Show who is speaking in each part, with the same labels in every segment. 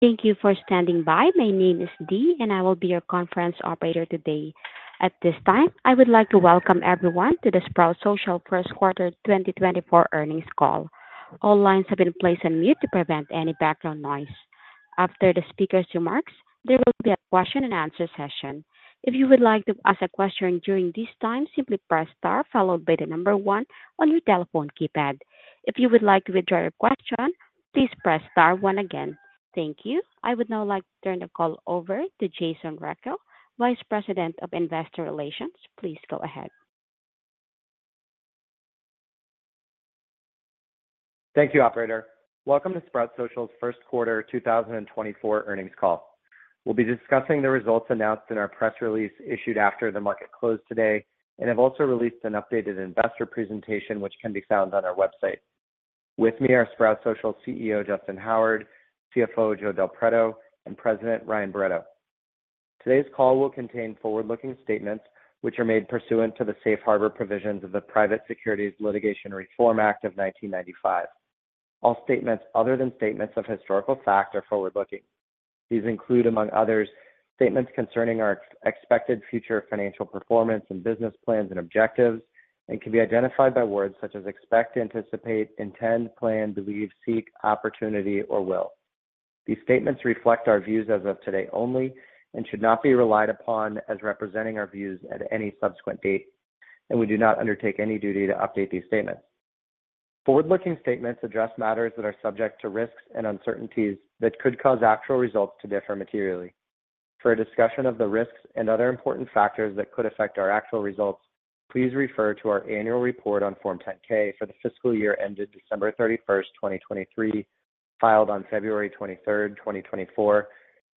Speaker 1: Thank you for standing by. My name is Dee, and I will be your conference operator today. At this time, I would like to welcome everyone to the Sprout Social First Quarter 2024 Earnings Call. All lines have been placed on mute to prevent any background noise. After the speaker's remarks, there will be a question and answer session. If you would like to ask a question during this time, simply press star followed by the number one on your telephone keypad. If you would like to withdraw your question, please press star one again. Thank you. I would now like to turn the call over to Jason Greco, Vice President of Investor Relations. Please go ahead.
Speaker 2: Thank you, operator. Welcome to Sprout Social's First Quarter 2024 Earnings Call. We'll be discussing the results announced in our press release issued after the market closed today, and have also released an updated investor presentation, which can be found on our website. With me are Sprout Social CEO, Justyn Howard, CFO, Joe Del Preto, and President, Ryan Barretto. Today's call will contain forward-looking statements, which are made pursuant to the Safe Harbor provisions of the Private Securities Litigation Reform Act of 1995. All statements other than statements of historical fact are forward-looking. These include among others, statements concerning our expected future financial performance and business plans and objectives and can be identified by words such as expect, anticipate, intend, plan, believe, seek, opportunity, or will. These statements reflect our views as of today only, and should not be relied upon as representing our views at any subsequent date, and we do not undertake any duty to update these statements. Forward-looking statements address matters that are subject to risks and uncertainties that could cause actual results to differ materially. For a discussion of the risks and other important factors that could affect our actual results, please refer to our annual report on Form 10-K for the fiscal year ended December 31st, 2023, filed on February 23rd, 2024,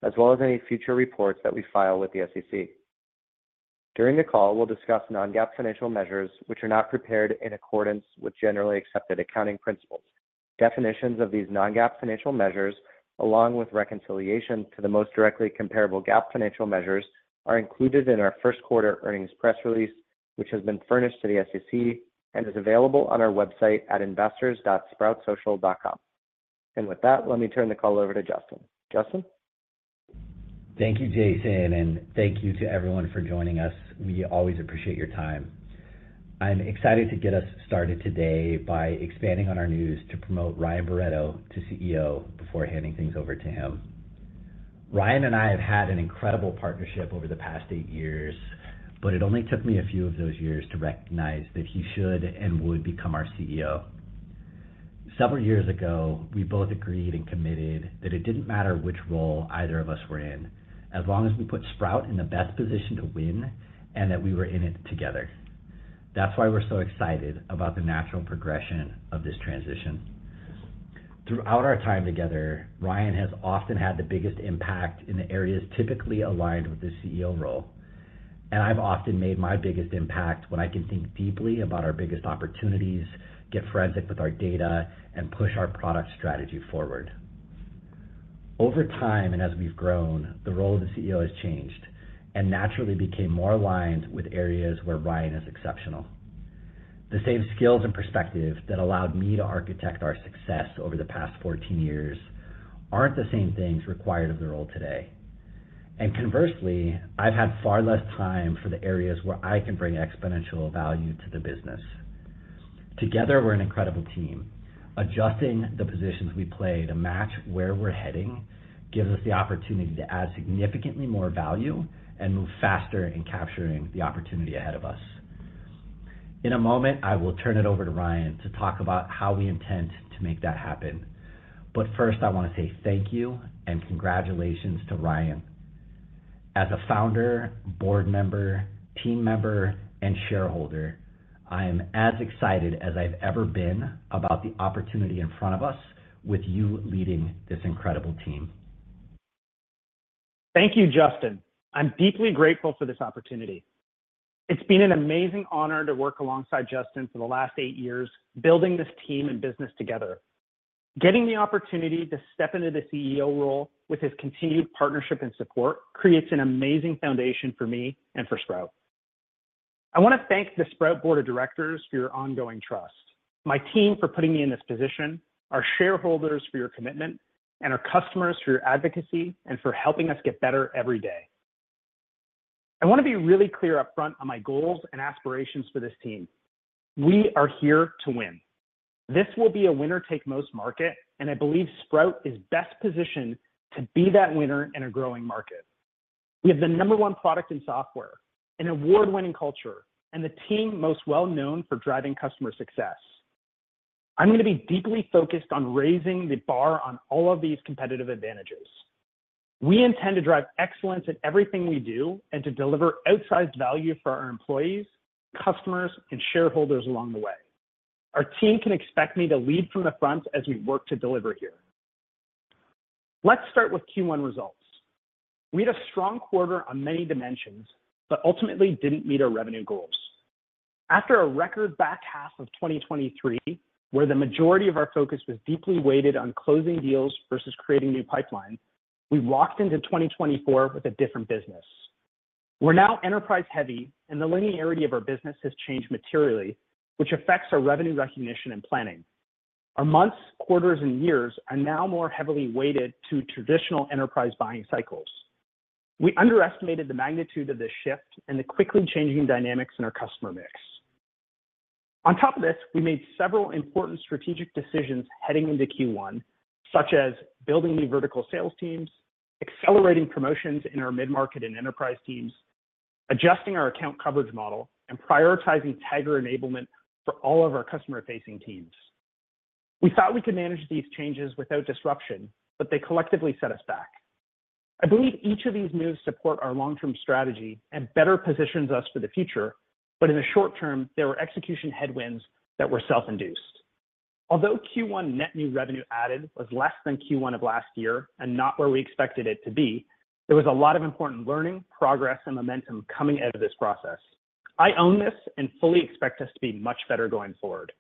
Speaker 2: as well as any future reports that we file with the SEC. During the call, we'll discuss non-GAAP financial measures, which are not prepared in accordance with generally accepted accounting principles. Definitions of these non-GAAP financial measures, along with reconciliation to the most directly comparable GAAP financial measures, are included in our first quarter earnings press release, which has been furnished to the SEC and is available on our website at investors.sproutsocial.com. With that, let me turn the call over to Justyn. Justyn?
Speaker 3: Thank you, Jason, and thank you to everyone for joining us. We always appreciate your time. I'm excited to get us started today by expanding on our news to promote Ryan Barretto to CEO before handing things over to him. Ryan and I have had an incredible partnership over the past eight years, but it only took me a few of those years to recognize that he should and would become our CEO. Several years ago, we both agreed and committed that it didn't matter which role either of us were in, as long as we put Sprout in the best position to win and that we were in it together. That's why we're so excited about the natural progression of this transition. Throughout our time together, Ryan has often had the biggest impact in the areas typically aligned with the CEO role, and I've often made my biggest impact when I can think deeply about our biggest opportunities, get forensic with our data, and push our product strategy forward. Over time, and as we've grown, the role of the CEO has changed and naturally became more aligned with areas where Ryan is exceptional. The same skills and perspective that allowed me to architect our success over the past 14 years aren't the same things required of the role today. Conversely, I've had far less time for the areas where I can bring exponential value to the business. Together, we're an incredible team. Adjusting the positions we play to match where we're heading gives us the opportunity to add significantly more value and move faster in capturing the opportunity ahead of us. In a moment, I will turn it over to Ryan to talk about how we intend to make that happen. But first, I want to say thank you and congratulations to Ryan. As a founder, board member, team member, and shareholder, I am as excited as I've ever been about the opportunity in front of us with you leading this incredible team.
Speaker 4: Thank you, Justyn. I'm deeply grateful for this opportunity. It's been an amazing honor to work alongside Justyn for the last eight years, building this team and business together. Getting the opportunity to step into the CEO role with his continued partnership and support creates an amazing foundation for me and for Sprout. I want to thank the Sprout Board of Directors for your ongoing trust, my team for putting me in this position, our shareholders for your commitment, and our customers for your advocacy and for helping us get better every day. I want to be really clear upfront on my goals and aspirations for this team. We are here to win. This will be a winner-take-most market, and I believe Sprout is best positioned to be that winner in a growing market. We have the number one product in software, an award-winning culture, and the team most well known for driving customer success. I'm going to be deeply focused on raising the bar on all of these competitive advantages. We intend to drive excellence in everything we do and to deliver outsized value for our employees, customers, and shareholders along the way. Our team can expect me to lead from the front as we work to deliver here. Let's start with Q1 results. We had a strong quarter on many dimensions, but ultimately didn't meet our revenue goals. After a record back half of 2023, where the majority of our focus was deeply weighted on closing deals versus creating new pipeline, we walked into 2024 with a different business. We're now enterprise-heavy and the linearity of our business has changed materially, which affects our revenue recognition and planning. Our months, quarters, and years are now more heavily weighted to traditional enterprise buying cycles. We underestimated the magnitude of this shift and the quickly changing dynamics in our customer mix. On top of this, we made several important strategic decisions heading into Q1, such as building new vertical sales teams, accelerating promotions in our mid-market and enterprise teams, adJustyng our account coverage model, and prioritizing Tagger enablement for all of our customer-facing teams. We thought we could manage these changes without disruption, but they collectively set us back. I believe each of these moves support our long-term strategy and better positions us for the future, but in the short term, there were execution headwinds that were self-induced. Although Q1 net new revenue added was less than Q1 of last year and not where we expected it to be, there was a lot of important learning, progress, and momentum coming out of this process. I own this and fully expect us to be much better going forward.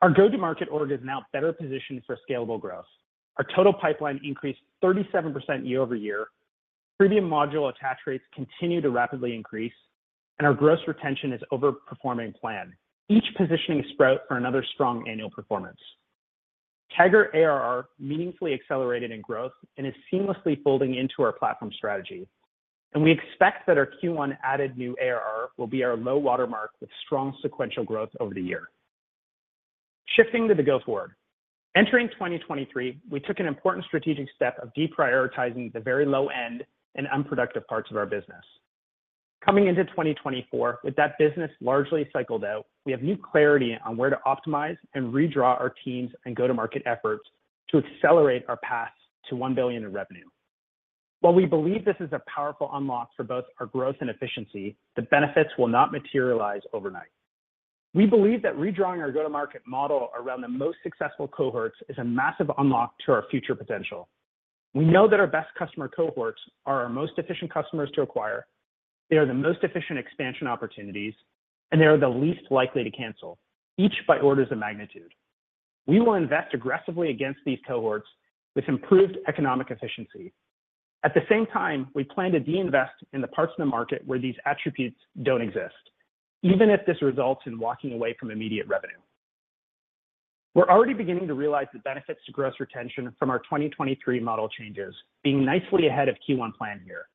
Speaker 4: Our go-to-market org is now better positioned for scalable growth. Our total pipeline increased 37% year-over-year. Premium module attach rates continue to rapidly increase, and our gross retention is overperforming plan, each positioning Sprout for another strong annual performance. Tagger ARR meaningfully accelerated in growth and is seamlessly folding into our platform strategy, and we expect that our Q1 added new ARR will be our low watermark with strong sequential growth over the year. Shifting to the go forward. Entering 2023, we took an important strategic step of deprioritizing the very low end and unproductive parts of our business. Coming into 2024, with that business largely cycled out, we have new clarity on where to optimize and redraw our teams and go-to-market efforts to accelerate our path to $1 billion in revenue. While we believe this is a powerful unlock for both our growth and efficiency, the benefits will not materialize overnight. We believe that redrawing our go-to-market model around the most successful cohorts is a massive unlock to our future potential. We know that our best customer cohorts are our most efficient customers to acquire, they are the most efficient expansion opportunities, and they are the least likely to cancel, each by orders of magnitude. We will invest aggressively against these cohorts with improved economic efficiency. At the same time, we plan to de-invest in the parts of the market where these attributes don't exist, even if this results in walking away from immediate revenue. We're already beginning to realize the benefits to gross retention from our 2023 model changes, being nicely ahead of Q1 plan here.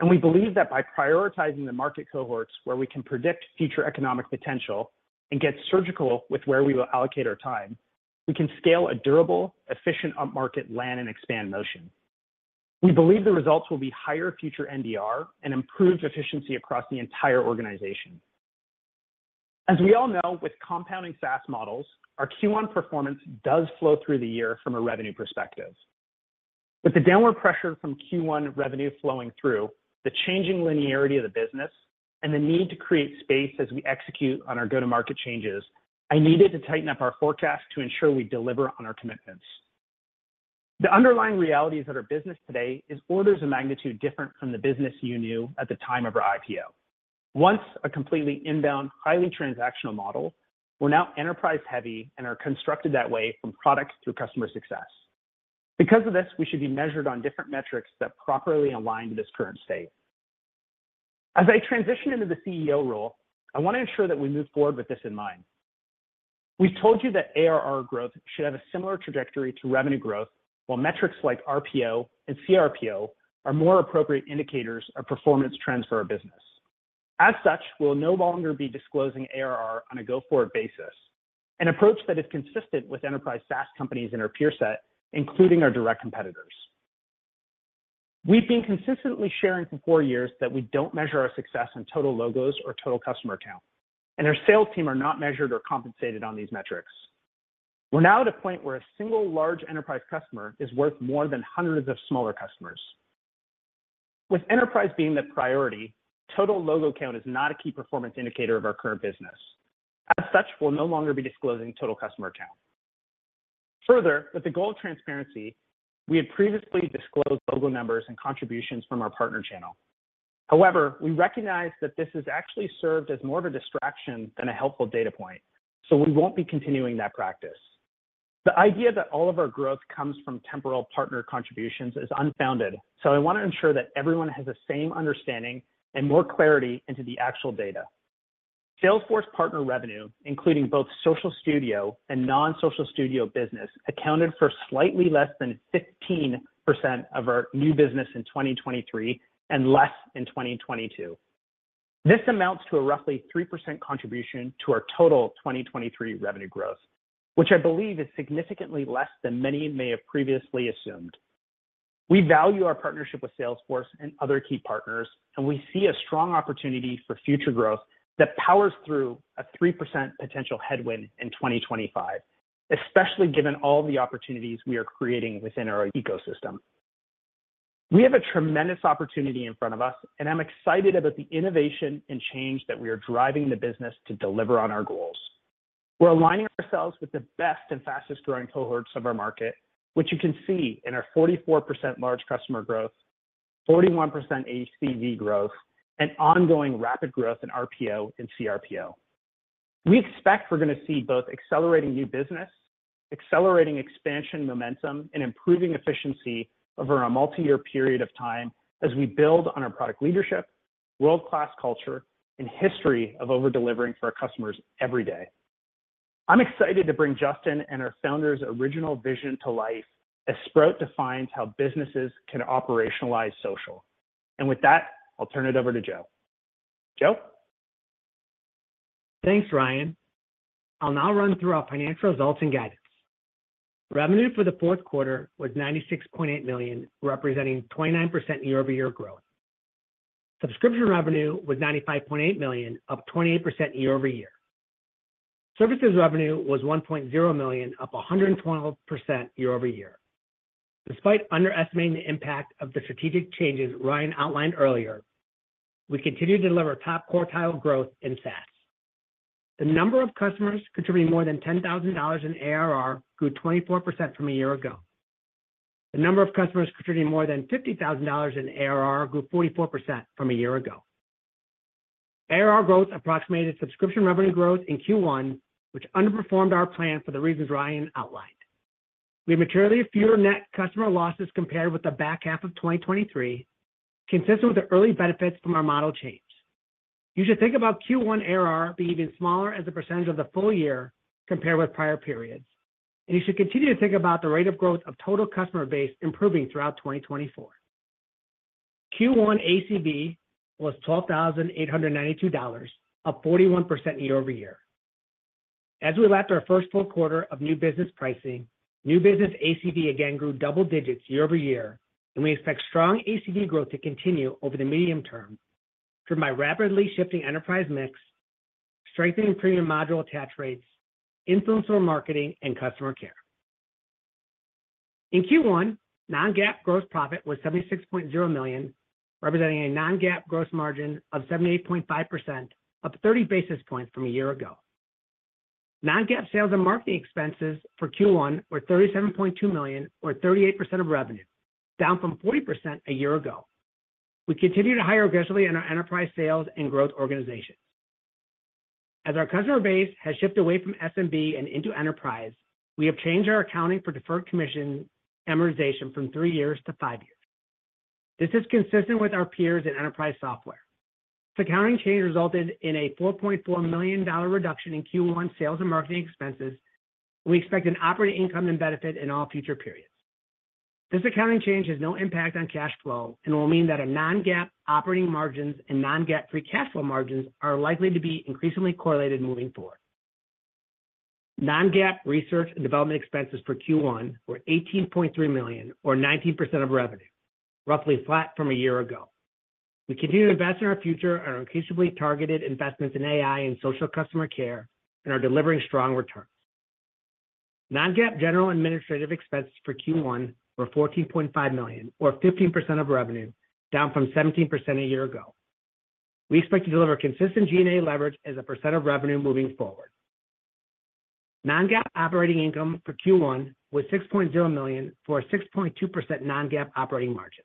Speaker 4: And we believe that by prioritizing the market cohorts where we can predict future economic potential and get surgical with where we will allocate our time, we can scale a durable, efficient upmarket land and expand motion. We believe the results will be higher future NDR and improved efficiency across the entire organization. As we all know, with compounding SaaS models, our Q1 performance does flow through the year from a revenue perspective. With the downward pressure from Q1 revenue flowing through, the changing linearity of the business, and the need to create space as we execute on our go-to-market changes, I needed to tighten up our forecast to ensure we deliver on our commitments. The underlying realities of our business today is orders of magnitude different from the business you knew at the time of our IPO. Once a completely inbound, highly transactional model, we're now enterprise-heavy and are constructed that way from product through customer success. Because of this, we should be measured on different metrics that properly align to this current state. As I transition into the CEO role, I want to ensure that we move forward with this in mind. We've told you that ARR growth should have a similar trajectory to revenue growth, while metrics like RPO and CRPO are more appropriate indicators of performance trends for our business. As such, we'll no longer be disclosing ARR on a go-forward basis, an approach that is consistent with enterprise SaaS companies in our peer set, including our direct competitors. We've been consistently sharing for four years that we don't measure our success in total logos or total customer count, and our sales team are not measured or compensated on these metrics. We're now at a point where a single large enterprise customer is worth more than hundreds of smaller customers. With enterprise being the priority, total logo count is not a key performance indicator of our current business. As such, we'll no longer be disclosing total customer count. Further, with the goal of transparency, we had previously disclosed logo numbers and contributions from our partner channel. However, we recognize that this has actually served as more of a distraction than a helpful data point, so we won't be continuing that practice. The idea that all of our growth comes from temporal partner contributions is unfounded, so I want to ensure that everyone has the same understanding and more clarity into the actual data. Salesforce partner revenue, including both Social Studio and non-Social Studio business, accounted for slightly less than 15% of our new business in 2023 and less in 2022. This amounts to a roughly 3% contribution to our total 2023 revenue growth, which I believe is significantly less than many may have previously assumed. We value our partnership with Salesforce and other key partners, and we see a strong opportunity for future growth that powers through a 3% potential headwind in 2025, especially given all the opportunities we are creating within our ecosystem. We have a tremendous opportunity in front of us, and I'm excited about the innovation and change that we are driving the business to deliver on our goals. We're aligning ourselves with the best and fastest-growing cohorts of our market, which you can see in our 44% large customer growth, 41% ACV growth, and ongoing rapid growth in RPO and CRPO. We expect we're gonna see both accelerating new business, accelerating expansion momentum, and improving efficiency over a multi-year period of time as we build on our product leadership, world-class culture, and history of over-delivering for our customers every day. I'm excited to bring Justyn and our founder's original vision to life as Sprout defines how businesses can operationalize social. With that, I'll turn it over to Joe. Joe?
Speaker 5: Thanks, Ryan. I'll now run through our financial results and guidance. Revenue for the fourth quarter was $96.8 million, representing 29% year-over-year growth. Subscription revenue was $95.8 million, up 28% year-over-year. Services revenue was $1.0 million, up 112% year-over-year. Despite underestimating the impact of the strategic changes Ryan outlined earlier, we continued to deliver top quartile growth in SaaS. The number of customers contributing more than $10,000 in ARR grew 24% from a year ago. The number of customers contributing more than $50,000 in ARR grew 44% from a year ago. ARR growth approximated subscription revenue growth in Q1, which underperformed our plan for the reasons Ryan outlined. We have materially fewer net customer losses compared with the back half of 2023, consistent with the early benefits from our model change. You should think about Q1 ARR being even smaller as a percentage of the full year compared with prior periods, and you should continue to think about the rate of growth of total customer base improving throughout 2024. Q1 ACV was $12,892 up 41% year-over-year. As we lacked our first full quarter of new business pricing, new business ACV again grew double digits year-over-year, and we expect strong ACV growth to continue over the medium term, driven by rapidly shifting enterprise mix, strengthening premium module attach rates, influencer marketing, and customer care. In Q1, non-GAAP gross profit was $76.0 million, representing a non-GAAP gross margin of 78.5%, up 30 basis points from a year ago. Non-GAAP sales and marketing expenses for Q1 were $37.2 million, or 38% of revenue, down from 40% a year ago. We continue to hire aggressively in our enterprise sales and growth organization. As our customer base has shifted away from SMB and into enterprise, we have changed our accounting for deferred commission amortization from three years to five years. This is consistent with our peers in enterprise software. This accounting change resulted in a $4.4 million reduction in Q1 sales and marketing expenses. We expect an operating income and benefit in all future periods. This accounting change has no impact on cash flow and will mean that our non-GAAP operating margins and non-GAAP free cash flow margins are likely to be increasingly correlated moving forward. Non-GAAP research and development expenses for Q1 were $18.3 million, or 19% of revenue, roughly flat from a year ago. We continue to invest in our future and are increasingly targeted investments in AI and social customer care and are delivering strong returns. Non-GAAP general and administrative expenses for Q1 were $14.5 million, or 15% of revenue, down from 17% a year ago. We expect to deliver consistent G&A leverage as a percent of revenue moving forward. Non-GAAP operating income for Q1 was $6.0 million, for a 6.2% non-GAAP operating margin.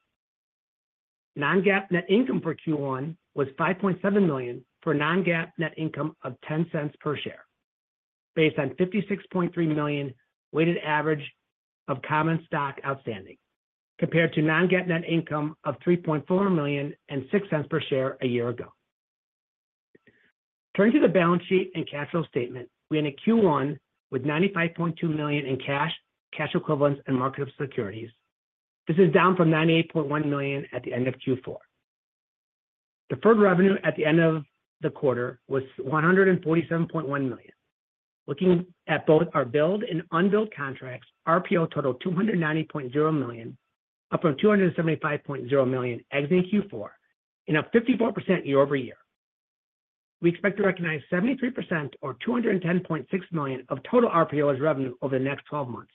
Speaker 5: Non-GAAP net income for Q1 was $5.7 million, for a non-GAAP net income of $0.10 per share, based on 56.3 million weighted average of common stock outstanding, compared to non-GAAP net income of $3.4 million and $0.06 per share a year ago. Turning to the balance sheet and cash flow statement, we end Q1 with $95.2 million in cash, cash equivalents, and marketable securities. This is down from $98.1 million at the end of Q4. Deferred revenue at the end of the quarter was $147.1 million. Looking at both our billed and unbilled contracts, RPO totaled $290.0 million, up from $275.0 million exiting Q4, and up 54% year-over-year. We expect to recognize 73% or $210.6 million of total RPO as revenue over the next twelve months,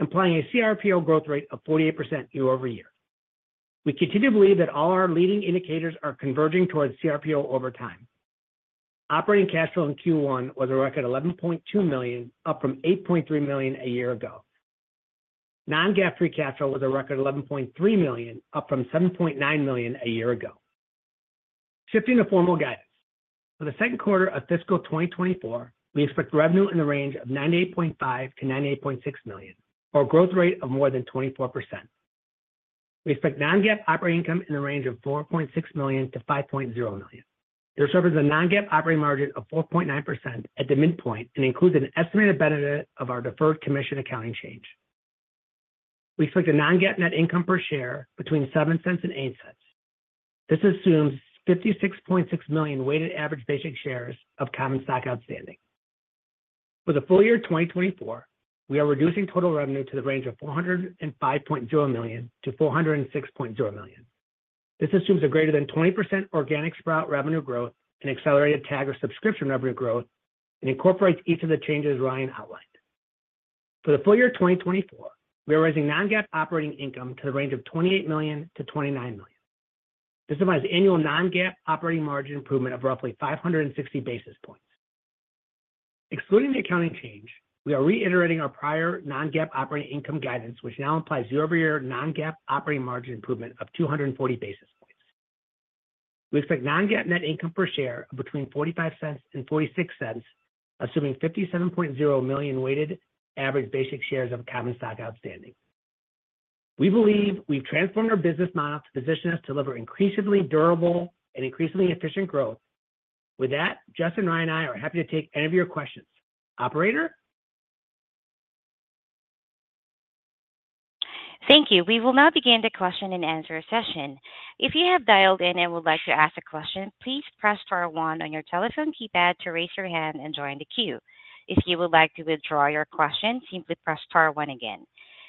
Speaker 5: implying a CRPO growth rate of 48% year-over-year. We continue to believe that all our leading indicators are converging towards CRPO over time. Operating cash flow in Q1 was a record $11.2 million, up from $8.3 million a year ago. Non-GAAP free cash flow was a record $11.3 million, up from $7.9 million a year ago. Shifting to formal guidance. For the second quarter of fiscal 2024, we expect revenue in the range of $98.5 million-$98.6 million, or a growth rate of more than 24%. We expect non-GAAP operating income in the range of $4.6 million-$5.0 million. This offers a non-GAAP operating margin of 4.9% at the midpoint and includes an estimated benefit of our deferred commission accounting change. We expect a non-GAAP net income per share between $0.07 and $0.08. This assumes 56.6 million weighted average basic shares of common stock outstanding. For the full year 2024, we are reducing total revenue to the range of $405.0 million-$406.0 million. This assumes a greater than 20% organic Sprout revenue growth and accelerated Tagger subscription revenue growth and incorporates each of the changes Ryan outlined. For the full year 2024, we are raising non-GAAP operating income to the range of $28 million-$29 million. This provides annual non-GAAP operating margin improvement of roughly 560 basis points. Excluding the accounting change, we are reiterating our prior non-GAAP operating income guidance, which now implies year-over-year non-GAAP operating margin improvement of 240 basis points. We expect non-GAAP net income per share of between $0.45-$0.46, assuming 57.0 million weighted average basic shares of common stock outstanding. We believe we've transformed our business model to position us to deliver increasingly durable and increasingly efficient growth. With that, Justyn, Ryan, and I are happy to take any of your questions. Operator?
Speaker 1: Thank you. We will now begin the question-and-answer session. If you have dialed in and would like to ask a question, please press star one on your telephone keypad to raise your hand and join the queue. If you would like to withdraw your question, simply press star one again.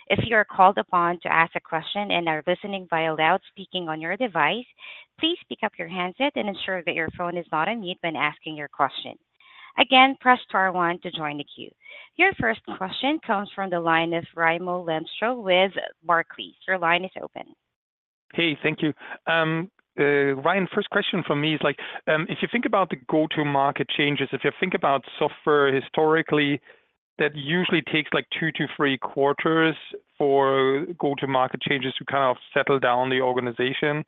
Speaker 1: If you are called upon to ask a question and are listening via loudspeaker on your device, please pick up your handset and ensure that your phone is not on mute when asking your question. Again, press star one to join the queue. Your first question comes from the line of Raimo Lenschow with Barclays. Your line is open.
Speaker 6: Hey, thank you. Ryan, first question from me is, like, if you think about the go-to-market changes, if you think about software historically, that usually takes, like, two to three quarters for go-to-market changes to kind of settle down the organization.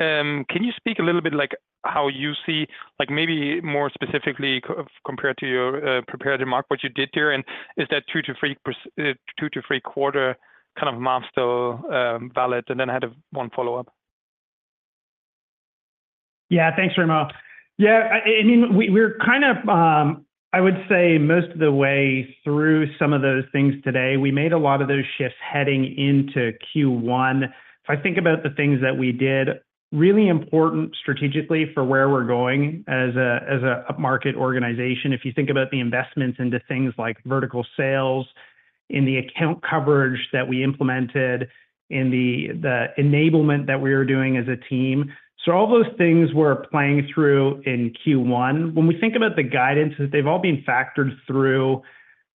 Speaker 6: Can you speak a little bit like, how you see like, maybe more specifically compared to your prepared remark, what you did there, and is that two to three quarter kind of milestone valid? And then I had one follow-up.
Speaker 4: Yeah, thanks, Raimo. Yeah, I mean, we're kind of, I would say, most of the way through some of those things today. We made a lot of those shifts heading into Q1. If I think about the things that we did, really important strategically for where we're going as a upmarket organization, if you think about the investments into things like vertical sales, in the account coverage that we implemented, in the enablement that we are doing as a team. So all those things were playing through in Q1. When we think about the guidance, they've all been factored through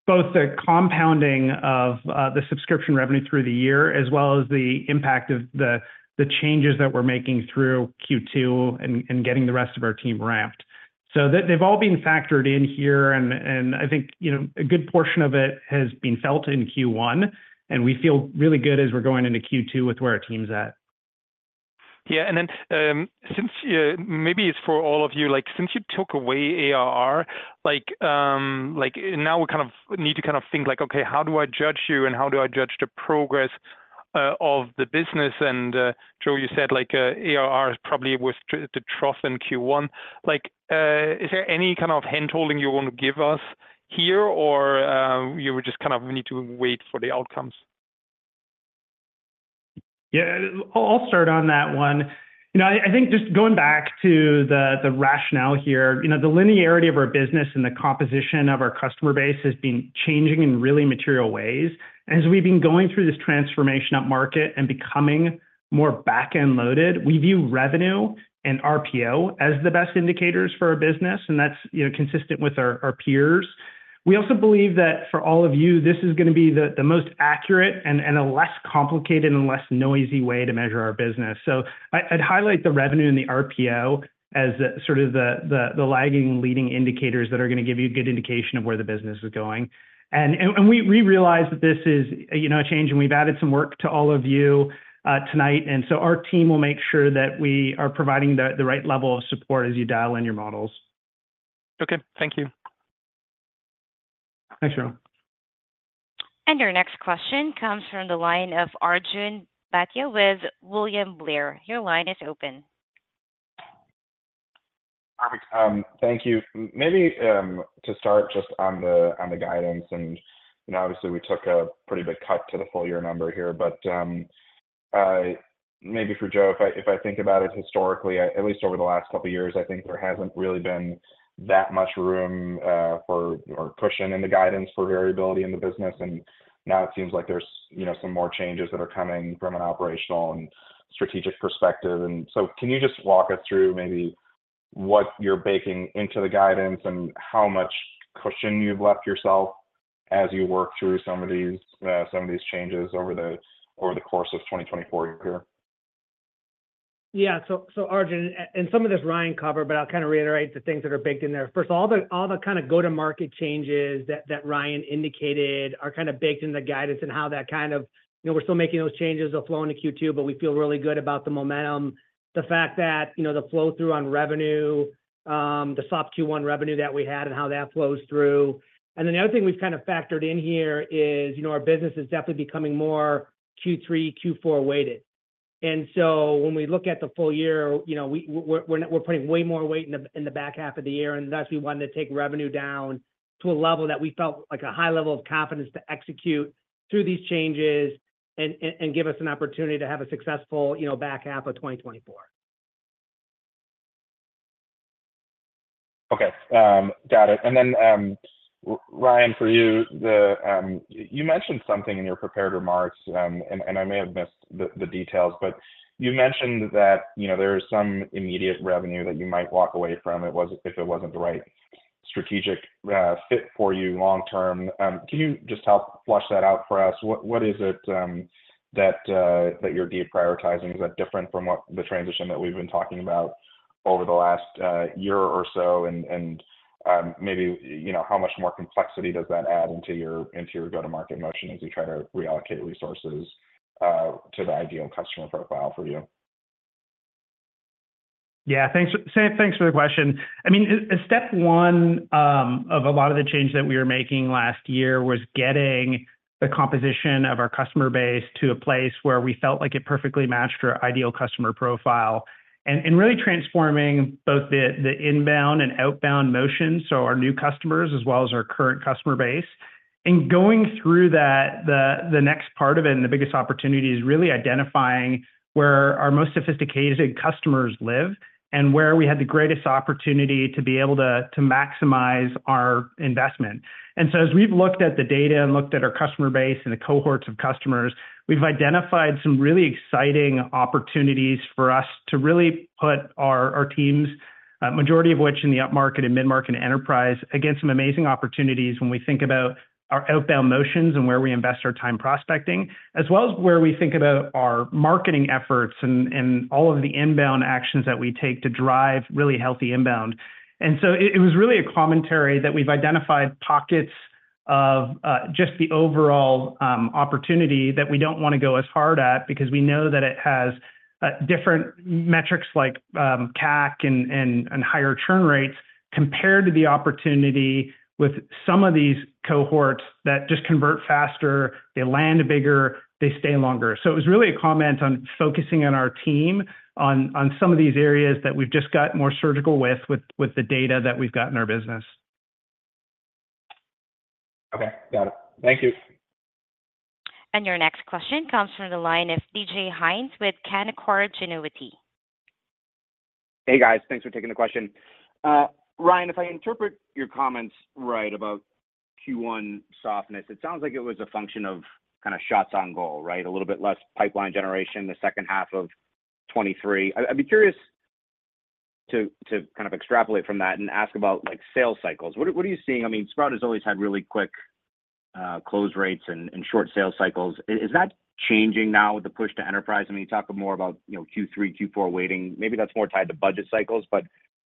Speaker 4: both the compounding of the subscription revenue through the year, as well as the impact of the changes that we're making through Q2 and getting the rest of our team ramped. So they, they've all been factored in here, and I think, you know, a good portion of it has been felt in Q1, and we feel really good as we're going into Q2 with where our team's at.
Speaker 6: Yeah, and then, since maybe it's for all of you, like, since you took away ARR, like, now we kind of need to kind of think like, "Okay, how do I judge you, and how do I judge the progress of the business?" And, Joe, you said, like, ARR probably was the trough in Q1. Like, is there any kind of hand-holding you want to give us here, or, you would just kind of we need to wait for the outcomes?
Speaker 5: Yeah, I'll start on that one. You know, I think just going back to the rationale here, you know, the linearity of our business and the composition of our customer base has been changing in really material ways. As we've been going through this transformation upmarket and becoming more back-end loaded, we view revenue and RPO as the best indicators for our business, and that's, you know, consistent with our peers. We also believe that for all of you, this is gonna be the most accurate and a less complicated and less noisy way to measure our business. So I'd highlight the revenue and the RPO as the sort of the lagging leading indicators that are gonna give you a good indication of where the business is going. We realize that this is, you know, a change, and we've added some work to all of you tonight, and so our team will make sure that we are providing the right level of support as you dial in your models.
Speaker 6: Okay, thank you.
Speaker 3: Thanks, Raimo.
Speaker 1: Your next question comes from the line of Arjun Bhatia with William Blair. Your line is open.
Speaker 7: Perfect. Thank you. Maybe to start just on the guidance, and you know, obviously, we took a pretty big cut to the full year number here, but maybe for Joe, if I, if I think about it historically, at least over the last couple of years, I think there hasn't really been that much room or cushion in the guidance for variability in the business, and now it seems like there's, you know, some more changes that are coming from an operational and strategic perspective. And so can you just walk us through maybe what you're baking into the guidance and how much cushion you've left yourself as you work through some of these, some of these changes over the, over the course of 2024 year?
Speaker 5: Yeah. So, Arjun, and some of this Ryan covered, but I'll kind of reiterate the things that are baked in there. First, all the kind of go-to-market changes that Ryan indicated are kind of baked in the guidance and how that kind of, you know, we're still making those changes. They'll flow into Q2, but we feel really good about the momentum. The fact that, you know, the flow-through on revenue, the soft Q1 revenue that we had and how that flows through. And then the other thing we've kind of factored in here is, you know, our business is definitely becoming more Q3, Q4 weighted. When we look at the full year, you know, we're putting way more weight in the back half of the year, and thus, we wanted to take revenue down to a level that we felt like a high level of confidence to execute through these changes and give us an opportunity to have a successful, you know, back half of 2024.
Speaker 7: Okay. Got it. And then, Ryan, for you, you mentioned something in your prepared remarks, and I may have missed the details, but you mentioned that, you know, there is some immediate revenue that you might walk away from, if it wasn't the right strategic fit for you long term. Can you just help flesh that out for us? What is it that you're deprioritizing? Is that different from the transition that we've been talking about over the last year or so, and maybe, you know, how much more complexity does that add into your go-to-market motion as you try to reallocate resources to the ideal customer profile for you?
Speaker 4: Yeah, thanks sure, thanks for the question. I mean, step one of a lot of the changes that we were making last year was getting the composition of our customer base to a place where we felt like it perfectly matched our ideal customer profile, and really transforming both the inbound and outbound motion, so our new customers, as well as our current customer base. In going through that, the next part of it and the biggest opportunity is really identifying where our most sophisticated customers live and where we had the greatest opportunity to be able to maximize our investment. As we've looked at the data and looked at our customer base and the cohorts of customers, we've identified some really exciting opportunities for us to really put our teams, majority of which in the upmarket and mid-market enterprise, against some amazing opportunities when we think about our outbound motions and where we invest our time prospecting, as well as where we think about our marketing efforts and all of the inbound actions that we take to drive really healthy inbound. It was really a commentary that we've identified pockets of just the overall opportunity that we don't wanna go as hard at, because we know that it has different metrics like CAC and higher churn rates, compared to the opportunity with some of these cohorts that just convert faster. They land bigger. They stay longer. So it was really a comment on focusing on our team on some of these areas that we've just got more surgical with the data that we've got in our business.
Speaker 7: Okay, got it. Thank you.
Speaker 1: Your next question comes from the line of DJ Hynes with Canaccord Genuity.
Speaker 8: Hey, guys, thanks for taking the question. Ryan, if I interpret your comments right about Q1 softness, it sounds like it was a function of kind of shots on goal, right? A little bit less pipeline generation, the second half of 2023. I'd be curious to kind of extrapolate from that and ask about like, sales cycles. What are you seeing? I mean, Sprout has always had really quick close rates and short sales cycles. Is that changing now with the push to enterprise? I mean, you talk more about, you know, Q3, Q4 waiting. Maybe that's more tied to budget cycles, but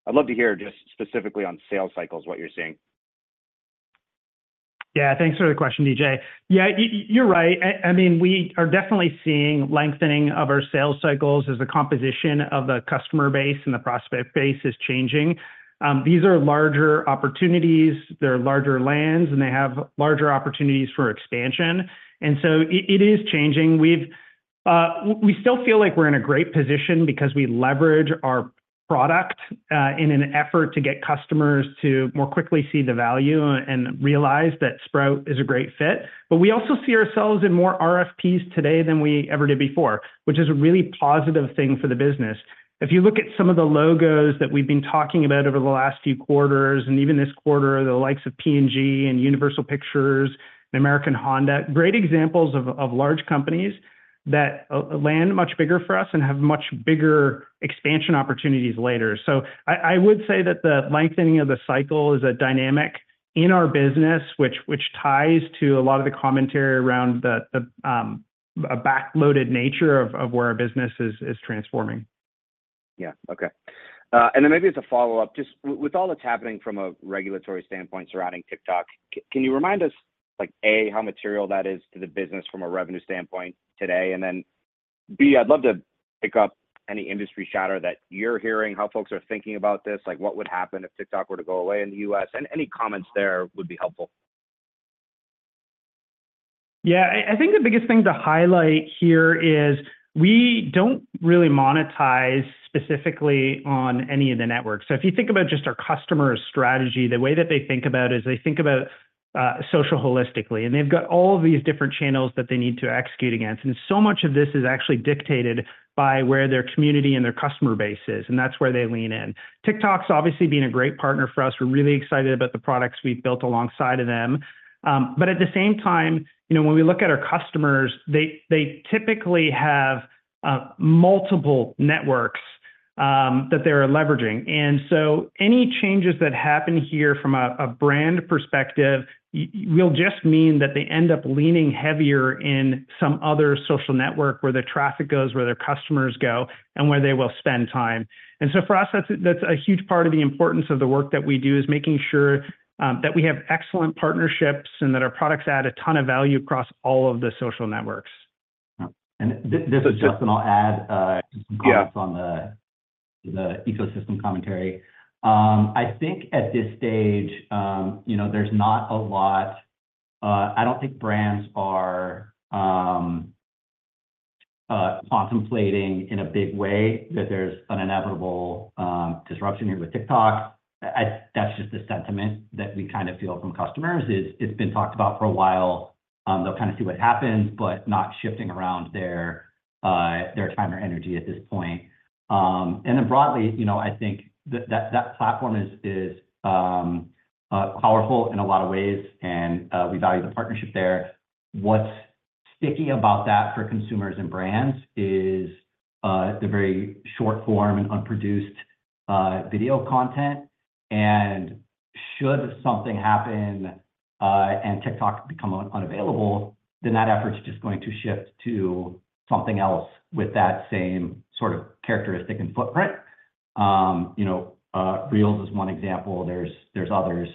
Speaker 8: I'd love to hear just specifically on sales cycles, what you're seeing.
Speaker 4: Yeah, thanks for the question, DJ. Yeah, you're right. I mean, we are definitely seeing lengthening of our sales cycles as the composition of the customer base and the prospect base is changing. These are larger opportunities, they're larger lands, and they have larger opportunities for expansion. And so it is changing. We've, we still feel like we're in a great position because we leverage our product, in an effort to get customers to more quickly see the value and realize that Sprout is a great fit. But we also see ourselves in more RFPs today than we ever did before, which is a really positive thing for the business. If you look at some of the logos that we've been talking about over the last few quarters, and even this quarter, the likes of P&G and Universal Pictures and American Honda, great examples of large companies that land much bigger for us and have much bigger expansion opportunities later. So I would say that the lengthening of the cycle is a dynamic in our business, which ties to a lot of the commentary around the a backloaded nature of where our business is transforming.
Speaker 8: Yeah. Okay. And then maybe as a follow-up, just with all that's happening from a regulatory standpoint surrounding TikTok, can you remind us, like, A, how material that is to the business from a revenue standpoint today? And then, B, I'd love to pick up any industry chatter that you're hearing, how folks are thinking about this, like what would happen if TikTok were to go away in the U.S., and any comments there would be helpful.
Speaker 4: Yeah, I think the biggest thing to highlight here is we don't really monetize specifically on any of the networks. So if you think about just our customer strategy, the way that they think about it is they think about social holistically, and they've got all these different channels that they need to execute against. So much of this is actually dictated by where their community and their customer base is, and that's where they lean in. TikTok's obviously been a great partner for us. We're really excited about the products we've built alongside of them. But at the same time, you know, when we look at our customers, they typically have multiple networks that they're leveraging. And so any changes that happen here from a brand perspective will just mean that they end up leaning heavier in some other social network where their traffic goes, where their customers go, and where they will spend time. And so for us, that's a huge part of the importance of the work that we do, is making sure that we have excellent partnerships and that our products add a ton of value across all of the social networks.
Speaker 3: This is Justyn. I'll add,
Speaker 4: Yeah.
Speaker 3: Just some comments on the ecosystem commentary. I think at this stage, you know, there's not a lot... I don't think brands are contemplating in a big way that there's an inevitable disruption here with TikTok. That's just the sentiment that we kind of feel from customers, is it's been talked about for a while. They'll kind of see what happens, but not shifting around their time or energy at this point. And then broadly, you know, I think that platform is powerful in a lot of ways, and we value the partnership there. What's sticky about that for consumers and brands is the very short form and unproduced video content. And should something happen and TikTok become unavailable, then that effort's just going to shift to something else with that same sort of characteristic and footprint. You know, Reels is one example. There's others.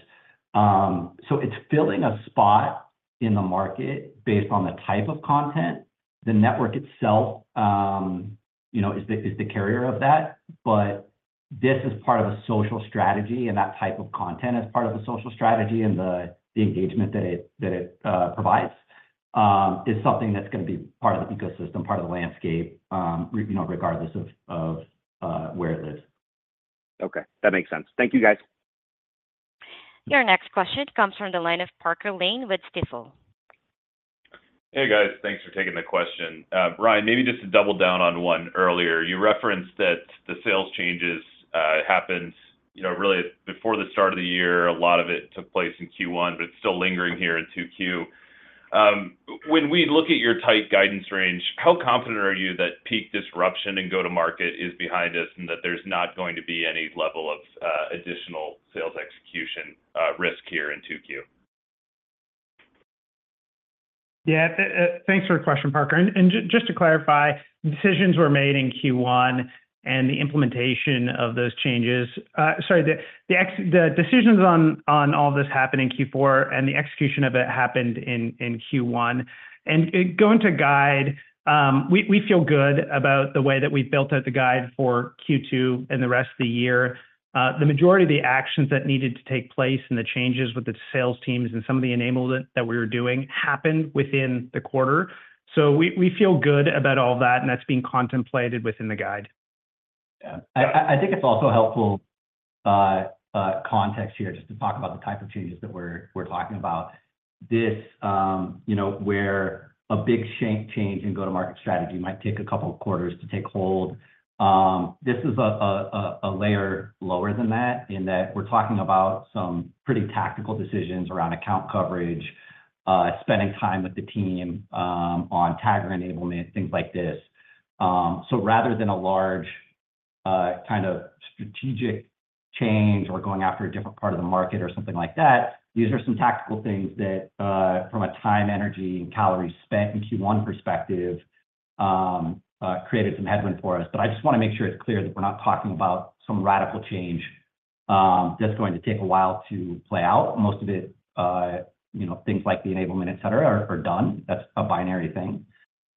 Speaker 3: So it's filling a spot in the market based on the type of content. The network itself, you know, is the carrier of that. But this is part of a social strategy, and that type of content is part of a social strategy, and the engagement that it provides is something that's gonna be part of the ecosystem, part of the landscape, you know, regardless of where it lives.
Speaker 8: Okay, that makes sense. Thank you, guys.
Speaker 1: Your next question comes from the line of Parker Lane with Stifel.
Speaker 9: Hey, guys. Thanks for taking the question. Ryan, maybe just to double down on one earlier. You referenced that the sales changes happened, you know, really before the start of the year. A lot of it took place in Q1, but it's still lingering here in 2Q. When we look at your tight guidance range, how confident are you that peak disruption and go-to-market is behind us, and that there's not going to be any level of additional sales execution risk here in 2Q?
Speaker 4: Yeah, thanks for the question, Parker. And just to clarify, decisions were made in Q1, and the implementation of those changes. Sorry, the decisions on all this happened in Q4, and the execution of it happened in Q1. And going to guide, we feel good about the way that we've built out the guide for Q2 and the rest of the year. The majority of the actions that needed to take place and the changes with the sales teams and some of the enablement that we were doing happened within the quarter. So we feel good about all that, and that's being contemplated within the guide.
Speaker 3: Yeah. I think it's also helpful, context here, just to talk about the type of changes that we're talking about. This, you know, where a big change in go-to-market strategy might take a couple of quarters to take hold. This is a layer lower than that, in that we're talking about some pretty tactical decisions around account coverage, spending time with the team, on Tagger enablement, things like this. So rather than a large, kind of strategic change or going after a different part of the market or something like that, these are some tactical things that, from a time, energy, and calories spent in Q1 perspective, created some headwind for us. But I just wanna make sure it's clear that we're not talking about some radical change, that's going to take a while to play out. Most of it, you know, things like the enablement, et cetera, are done. That's a binary thing.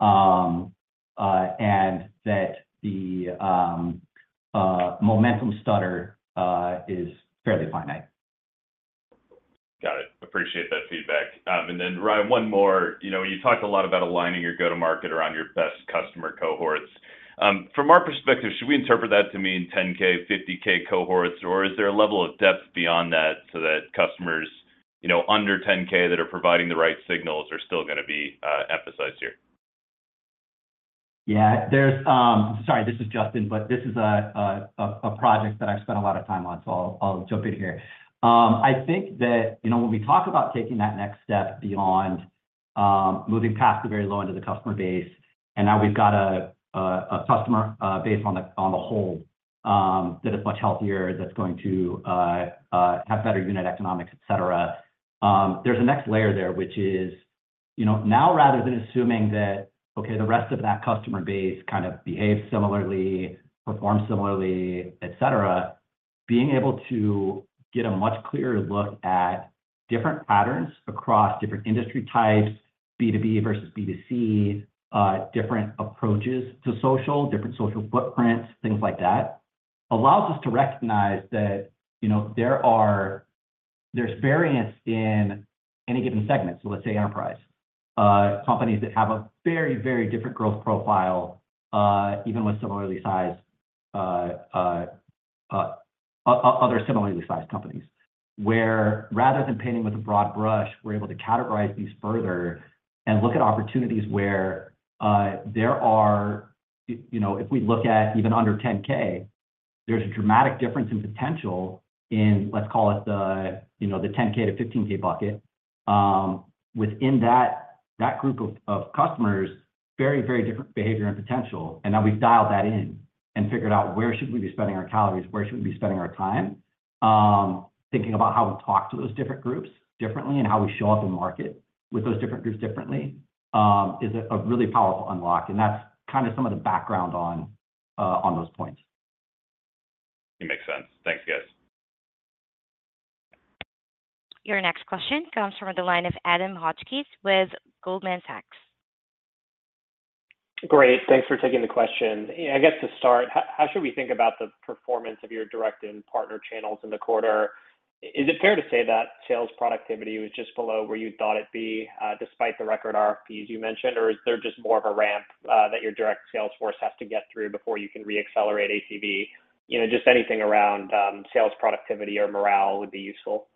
Speaker 3: And that the momentum stutter is fairly finite.
Speaker 9: Got it. Appreciate that feedback. And then, Ryan, one more. You know, you talked a lot about aligning your go-to-market around your best customer cohorts. From our perspective, should we interpret that to mean 10K, 50K cohorts, or is there a level of depth beyond that, so that customers, you know, under 10K that are providing the right signals are still gonna be emphasized here?
Speaker 3: Yeah, there's... Sorry, this is Justyn, but this is a project that I've spent a lot of time on, so I'll jump in here. I think that, you know, when we talk about taking that next step beyond moving past the very low end of the customer base, and now we've got a customer base on the whole that is much healthier, that's going to have better unit economics, et cetera. There's a next layer there, which is, you know, now rather than assuming that, okay, the rest of that customer base kind of behaves similarly, performs similarly, et cetera, being able to get a much clearer look at different patterns across different industry types, B2B versus B2C, different approaches to social, different social footprints, things like that, allows us to recognize that, you know, there's variance in any given segment. So let's say enterprise. Companies that have a very, very different growth profile, even with similarly sized, other similarly sized companies, where rather than painting with a broad brush, we're able to categorize these further and look at opportunities where, You know, if we look at even under 10K, there's a dramatic difference in potential in, let's call it the, you know, the 10K to 15K bucket. Within that, that group of, of customers, very, very different behavior and potential, and now we've dialed that in and figured out where should we be spending our calories, where should we be spending our time? Thinking about how we talk to those different groups differently, and how we show up in market with those different groups differently, is a, a really powerful unlock, and that's kind of some of the background on, on those points.
Speaker 9: It makes sense. Thanks, guys.
Speaker 1: Your next question comes from the line of Adam Hotchkiss with Goldman Sachs.
Speaker 10: Great. Thanks for taking the question. I guess to start, how should we think about the performance of your direct and partner channels in the quarter? Is it fair to say that sales productivity was just below where you thought it'd be, despite the record RFPs you mentioned, or is there just more of a ramp that your direct sales force has to get through before you can reaccelerate ACV? You know, just anything around sales productivity or morale would be useful.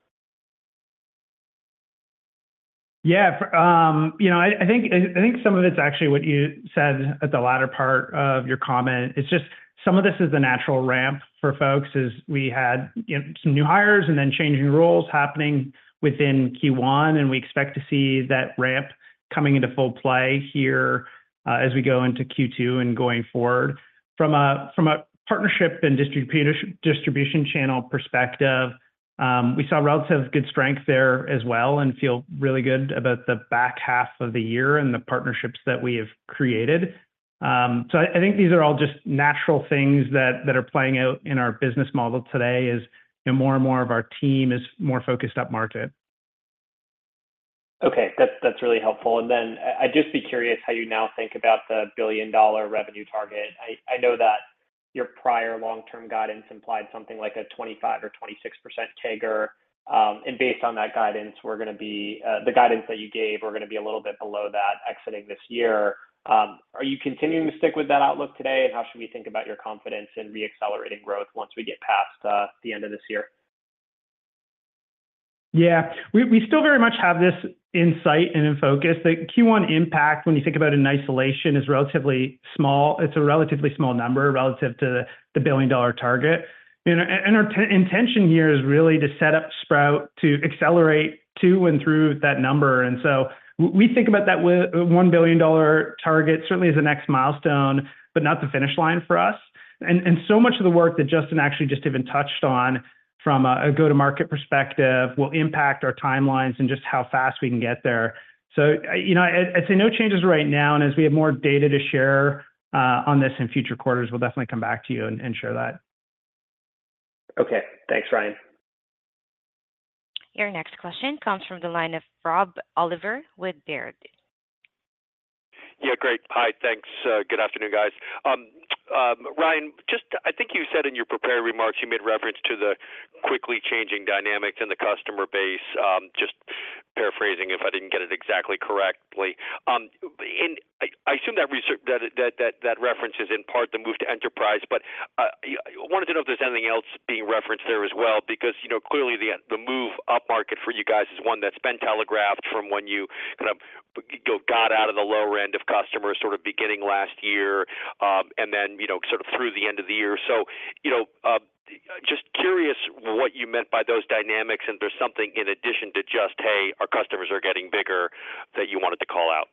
Speaker 4: Yeah, you know, I think some of it's actually what you said at the latter part of your comment. It's just some of this is a natural ramp for folks as we had, you know, some new hires and then changing roles happening within Q1, and we expect to see that ramp coming into full play here, as we go into Q2 and going forward. From a partnership and distribution channel perspective, we saw relative good strength there as well and feel really good about the back half of the year and the partnerships that we have created. So I think these are all just natural things that are playing out in our business model today, you know, more and more of our team is more focused up market.
Speaker 10: Okay, that's, that's really helpful. And then I'd just be curious how you now think about the billion-dollar revenue target. I know that your prior long-term guidance implied something like a 25 or 26% CAGR. And based on that guidance, we're gonna be, the guidance that you gave, we're gonna be a little bit below that exiting this year. Are you continuing to stick with that outlook today? And how should we think about your confidence in reaccelerating growth once we get past the end of this year?
Speaker 4: Yeah. We still very much have this in sight and in focus. The Q1 impact, when you think about it in isolation, is relatively small. It's a relatively small number relative to the $1 billion target. And our intention here is really to set up Sprout to accelerate to and through that number. And so we think about that $1 billion target certainly as the next milestone, but not the finish line for us. And so much of the work that Justyn actually just even touched on from a go-to-market perspective, will impact our timelines and just how fast we can get there. So, you know, I'd say no changes right now, and as we have more data to share on this in future quarters, we'll definitely come back to you and share that.
Speaker 10: Okay. Thanks, Ryan.
Speaker 1: Your next question comes from the line of Rob Oliver with Baird.
Speaker 11: Yeah, great. Hi, thanks. Good afternoon, guys. Ryan, just I think you said in your prepared remarks, you made reference to the quickly changing dynamics in the customer base. Just paraphrasing if I didn't get it exactly correctly. I assume that reference is in part the move to enterprise, but I wanted to know if there's anything else being referenced there as well, because, you know, clearly the move upmarket for you guys is one that's been telegraphed from when you kind of, you know, got out of the lower end of customers sort of beginning last year, and then, you know, sort of through the end of the year. So, you know, just curious what you meant by those dynamics, and there's something in addition to just, "Hey, our customers are getting bigger," that you wanted to call out.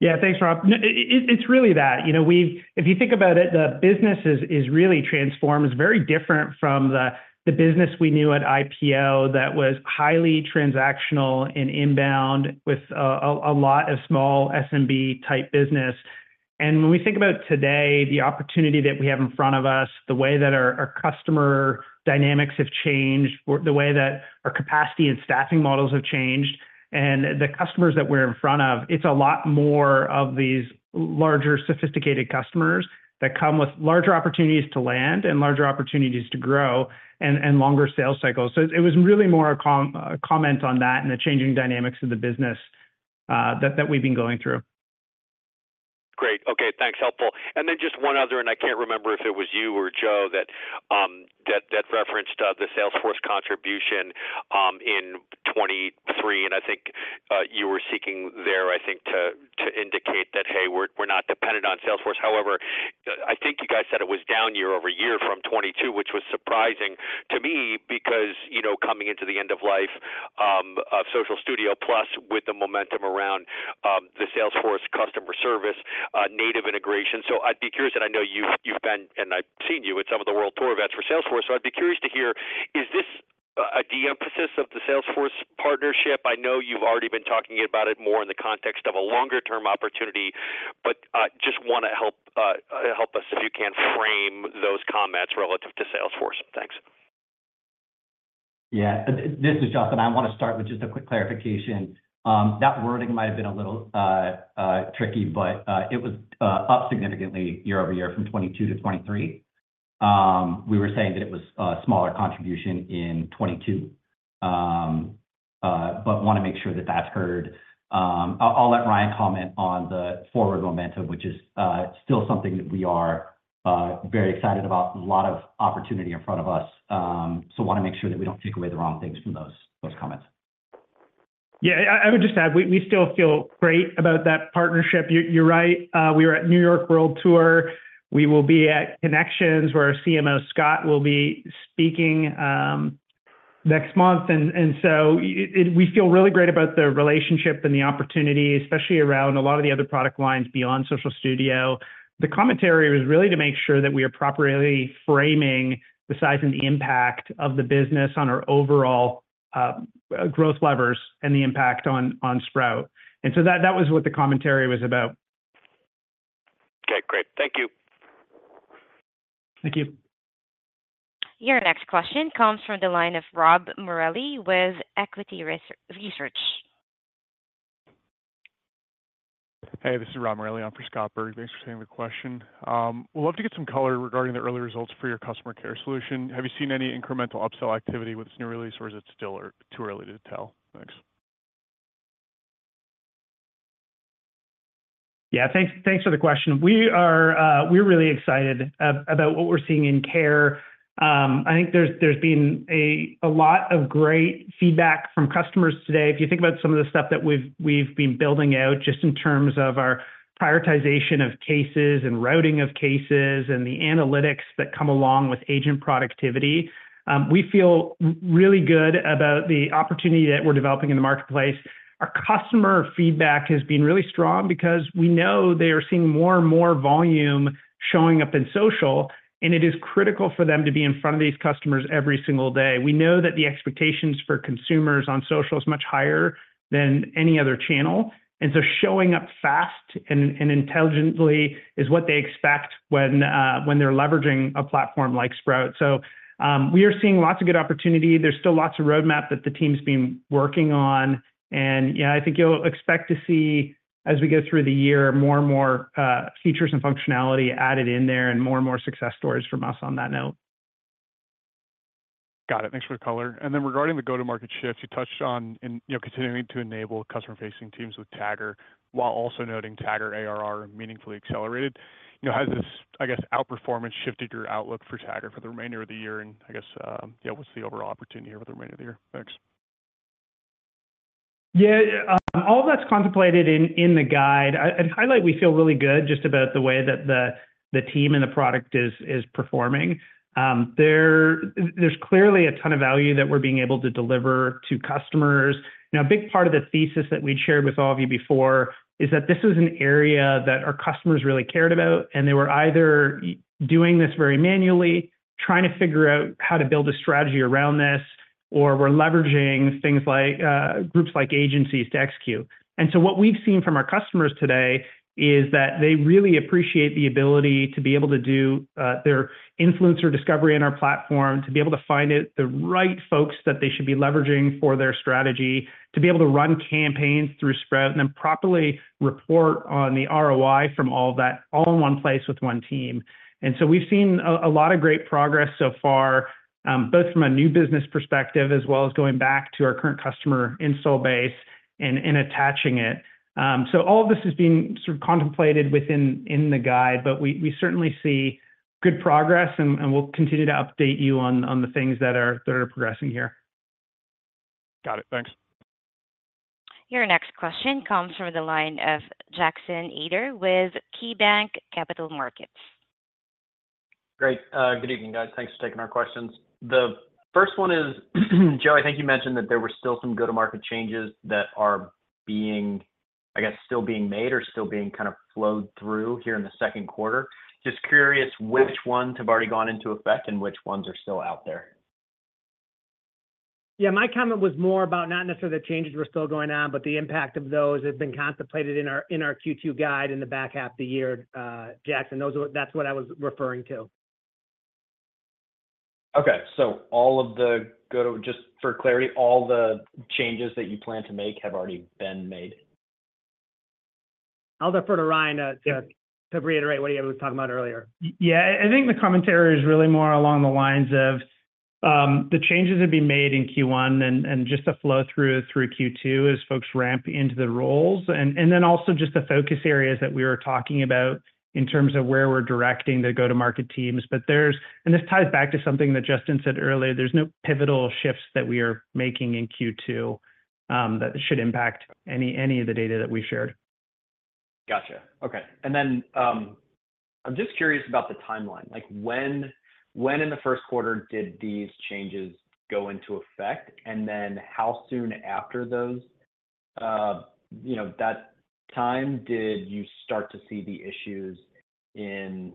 Speaker 4: Yeah. Thanks, Rob. It, it's really that. You know, we've if you think about it, the business is really transformed. It's very different from the business we knew at IPO that was highly transactional and inbound with a lot of small SMB-type business. And when we think about today, the opportunity that we have in front of us, the way that our customer dynamics have changed, or the way that our capacity and staffing models have changed, and the customers that we're in front of, it's a lot more of these larger, sophisticated customers that come with larger opportunities to land and larger opportunities to grow and longer sales cycles. So it was really more a comment on that and the changing dynamics of the business, that we've been going through.
Speaker 11: Great. Okay, thanks. Helpful. And then just one other, and I can't remember if it was you or Joe, that, that referenced the Salesforce contribution in 2023, and I think you were seeking there, I think, to indicate that, "Hey, we're not dependent on Salesforce." However, I think you guys said it was down year over year from 2022, which was surprising to me because, you know, coming into the end of life of Social Studio, plus with the momentum around the Salesforce customer service native integration. So I'd be curious, and I know you've been, and I've seen you at some of the World Tour events for Salesforce, so I'd be curious to hear, is this a de-emphasis of the Salesforce partnership? I know you've already been talking about it more in the context of a longer-term opportunity, but just want to help us, if you can, frame those comments relative to Salesforce. Thanks.
Speaker 3: Yeah. This is Justyn. I want to start with just a quick clarification. That wording might have been a little tricky, but it was up significantly year-over-year from 2022 to 2023. We were saying that it was a smaller contribution in 2022. But want to make sure that that's heard. I'll let Ryan comment on the forward momentum, which is still something that we are very excited about, a lot of opportunity in front of us. So want to make sure that we don't take away the wrong things from those comments.
Speaker 4: Yeah, I would just add, we still feel great about that partnership. You're right. We are at New York World Tour. We will be at Connections, where our CMO, Scott, will be speaking next month. And so we feel really great about the relationship and the opportunity, especially around a lot of the other product lines beyond Social Studio. The commentary was really to make sure that we are properly framing the size and the impact of the business on our overall growth levers and the impact on Sprout. And so that was what the commentary was about.
Speaker 11: Okay, great. Thank you.
Speaker 4: Thank you.
Speaker 1: Your next question comes from the line of Rob Morelli with Equity Research.
Speaker 12: Hey, this is Rob Morelli. I'm for Scott Berg. Thanks for taking the question. Would love to get some color regarding the early results for your customer care solution. Have you seen any incremental upsell activity with this new release, or is it still or too early to tell? Thanks.
Speaker 4: Yeah, thanks. Thanks for the question. We are, we're really excited about what we're seeing in care. I think there's, there's been a lot of great feedback from customers today. If you think about some of the stuff that we've been building out just in terms of our prioritization of cases and routing of cases and the analytics that come along with agent productivity, we feel really good about the opportunity that we're developing in the marketplace. Our customer feedback has been really strong because we know they are seeing more and more volume showing up in social, and it is critical for them to be in front of these customers every single day. We know that the expectations for consumers on social is much higher than any other channel, and so showing up fast and intelligently is what they expect when they're leveraging a platform like Sprout. So, we are seeing lots of good opportunity. There's still lots of roadmap that the team's been working on, and yeah, I think you'll expect to see, as we go through the year, more and more features and functionality added in there and more and more success stories from us on that note.
Speaker 12: Got it. Thanks for the color. And then regarding the go-to-market shift, you touched on in, you know, continuing to enable customer-facing teams with Tagger, while also noting Tagger ARR meaningfully accelerated. You know, has this, I guess, outperformance shifted your outlook for Tagger for the remainder of the year? And I guess, yeah, what's the overall opportunity here for the remainder of the year? Thanks.
Speaker 4: Yeah, all that's contemplated in the guide. I'd highlight we feel really good just about the way that the team and the product is performing. There's clearly a ton of value that we're being able to deliver to customers. You know, a big part of the thesis that we shared with all of you before is that this is an area that our customers really cared about, and they were either doing this very manually, trying to figure out how to build a strategy around this, or were leveraging things like groups like agencies to execute. What we've seen from our customers today is that they really appreciate the ability to be able to do their influencer discovery in our platform, to be able to find the right folks that they should be leveraging for their strategy, to be able to run campaigns through Sprout, and then properly report on the ROI from all that, all in one place with one team. We've seen a lot of great progress so far, both from a new business perspective as well as going back to our current customer install base and attaching it. All of this is being sort of contemplated in the guide, but we certainly see good progress, and we'll continue to update you on the things that are progressing here.
Speaker 12: Got it. Thanks.
Speaker 1: Your next question comes from the line of Jackson Ader with KeyBanc Capital Markets.
Speaker 13: Great. Good evening, guys. Thanks for taking our questions. The first one is, Joe, I think you mentioned that there were still some go-to-market changes that are being, I guess, still being made or still being kind of flowed through here in the second quarter. Just curious, which ones have already gone into effect and which ones are still out there?
Speaker 5: Yeah, my comment was more about not necessarily the changes were still going on, but the impact of those have been contemplated in our, in our Q2 guide in the back half of the year, Jackson, those are, that's what I was referring to.
Speaker 13: Okay. So, just for clarity, all the changes that you plan to make have already been made?
Speaker 5: I'll defer to Ryan. Yeah to reiterate what he was talking about earlier.
Speaker 4: Yeah, I think the commentary is really more along the lines of the changes have been made in Q1 and just the flow through Q2 as folks ramp into the roles. And then also just the focus areas that we were talking about in terms of where we're directing the go-to-market teams. But there's and this ties back to something that Justyn said earlier, there's no pivotal shifts that we are making in Q2 that should impact any of the data that we shared.
Speaker 13: Gotcha. Okay. And then, I'm just curious about the timeline. Like, when, when in the first quarter did these changes go into effect? And then how soon after those, you know, that time did you start to see the issues in,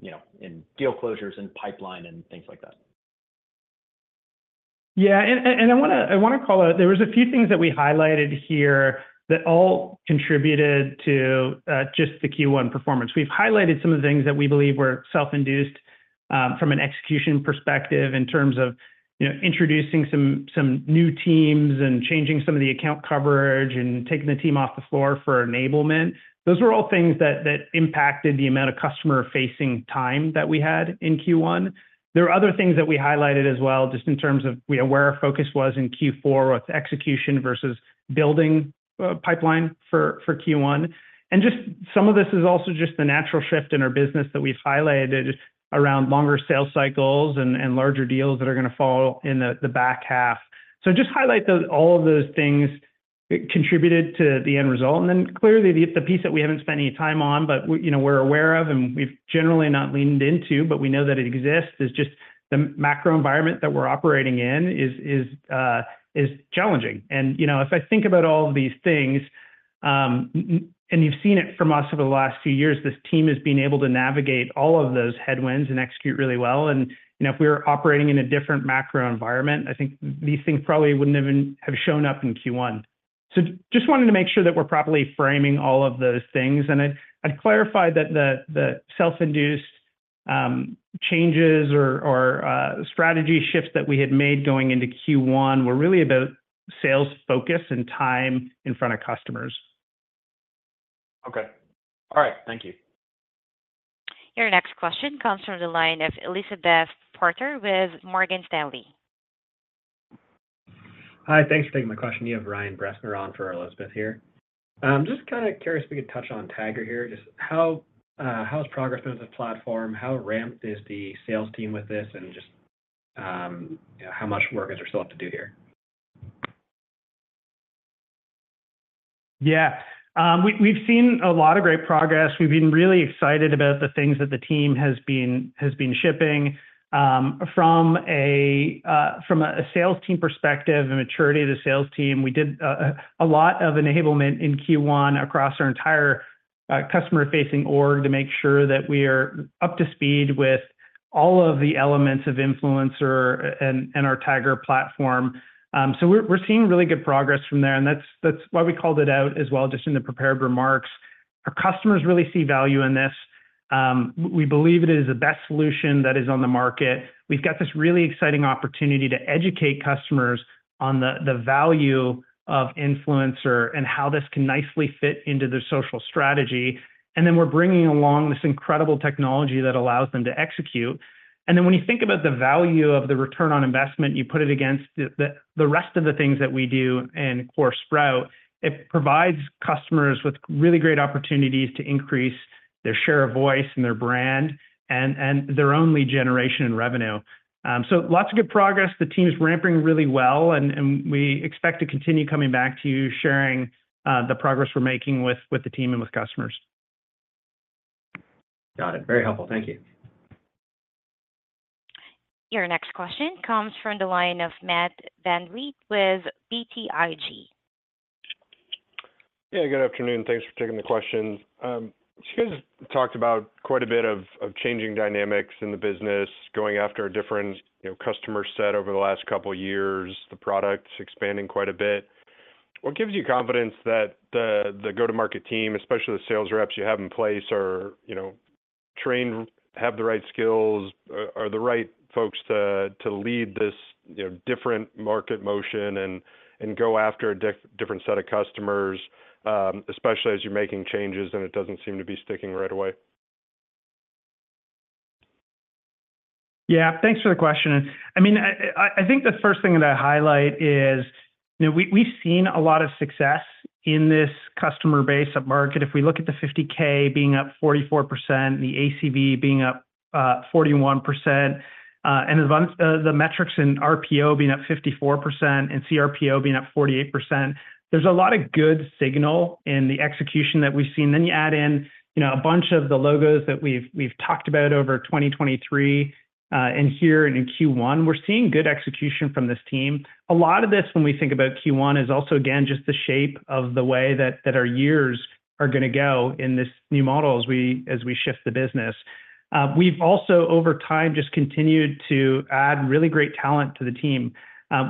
Speaker 13: you know, in deal closures and pipeline and things like that?
Speaker 4: Yeah, and I wanna call out, there was a few things that we highlighted here that all contributed to just the Q1 performance. We've highlighted some of the things that we believe were self-induced, from an execution perspective in terms of, you know, introducing some new teams and changing some of the account coverage and taking the team off the floor for enablement. Those are all things that impacted the amount of customer-facing time that we had in Q1. There are other things that we highlighted as well, just in terms of, you know, where our focus was in Q4, with execution versus building pipeline for Q1. Just some of this is also just the natural shift in our business that we've highlighted around longer sales cycles and larger deals that are gonna fall in the back half. So just highlight those, all of those things contributed to the end result. And then, clearly, the piece that we haven't spent any time on, but we, you know, we're aware of, and we've generally not leaned into, but we know that it exists, is just the macro environment that we're operating in is challenging. And, you know, if I think about all of these things, and you've seen it from us over the last few years, this team has been able to navigate all of those headwinds and execute really well. You know, if we were operating in a different macro environment, I think these things probably wouldn't even have shown up in Q1. Just wanted to make sure that we're properly framing all of those things. I'd clarify that the self-induced changes or strategy shifts that we had made going into Q1 were really about sales focus and time in front of customers.
Speaker 13: Okay. All right. Thank you.
Speaker 1: Your next question comes from the line of Elizabeth Porter with Morgan Stanley.
Speaker 14: Hi, thanks for taking my question. You have Ryan Bressner on for Elizabeth here. Just kinda curious if we could touch on Tagger here. Just how is progress with the platform? How ramped is the sales team with this? And just, you know, how much work is there still left to do here?
Speaker 4: Yeah. We, we've seen a lot of great progress. We've been really excited about the things that the team has been shipping. From a sales team perspective, a maturity of the sales team, we did a lot of enablement in Q1 across our entire customer-facing org to make sure that we are up to speed with all of the elements of influencer and our Tagger platform. So we're seeing really good progress from there, and that's why we called it out as well, just in the prepared remarks. Our customers really see value in this. We believe it is the best solution that is on the market. We've got this really exciting opportunity to educate customers on the value of influencer and how this can nicely fit into their social strategy. And then we're bringing along this incredible technology that allows them to execute. And then when you think about the value of the return on investment, you put it against the rest of the things that we do in core Sprout. It provides customers with really great opportunities to increase their share of voice and their brand, and their own lead generation and revenue. So lots of good progress. The team is ramping really well, and we expect to continue coming back to you, sharing the progress we're making with the team and with customers.
Speaker 14: Got it. Very helpful. Thank you.
Speaker 1: Your next question comes from the line of Matt VanVliet with BTIG.
Speaker 15: Yeah, good afternoon. Thanks for taking the question. So you guys talked about quite a bit of changing dynamics in the business, going after a different, you know, customer set over the last couple of years, the product expanding quite a bit. What gives you confidence that the go-to-market team, especially the sales reps you have in place, are, you know, trained, have the right skills, are the right folks to lead this, you know, different market motion and go after a different set of customers, especially as you're making changes and it doesn't seem to be sticking right away?
Speaker 4: Yeah, thanks for the question. I mean, I think the first thing that I highlight is, you know, we've seen a lot of success in this customer base upmarket. If we look at the 50K being up 44%, the ACV being up 41%, and the metrics in RPO being up 54% and CRPO being up 48%, there's a lot of good signal in the execution that we've seen. Then you add in, you know, a bunch of the logos that we've talked about over 2023, and here and in Q1, we're seeing good execution from this team. A lot of this, when we think about Q1, is also, again, just the shape of the way that our years are gonna go in this new model as we shift the business. We've also, over time, just continued to add really great talent to the team.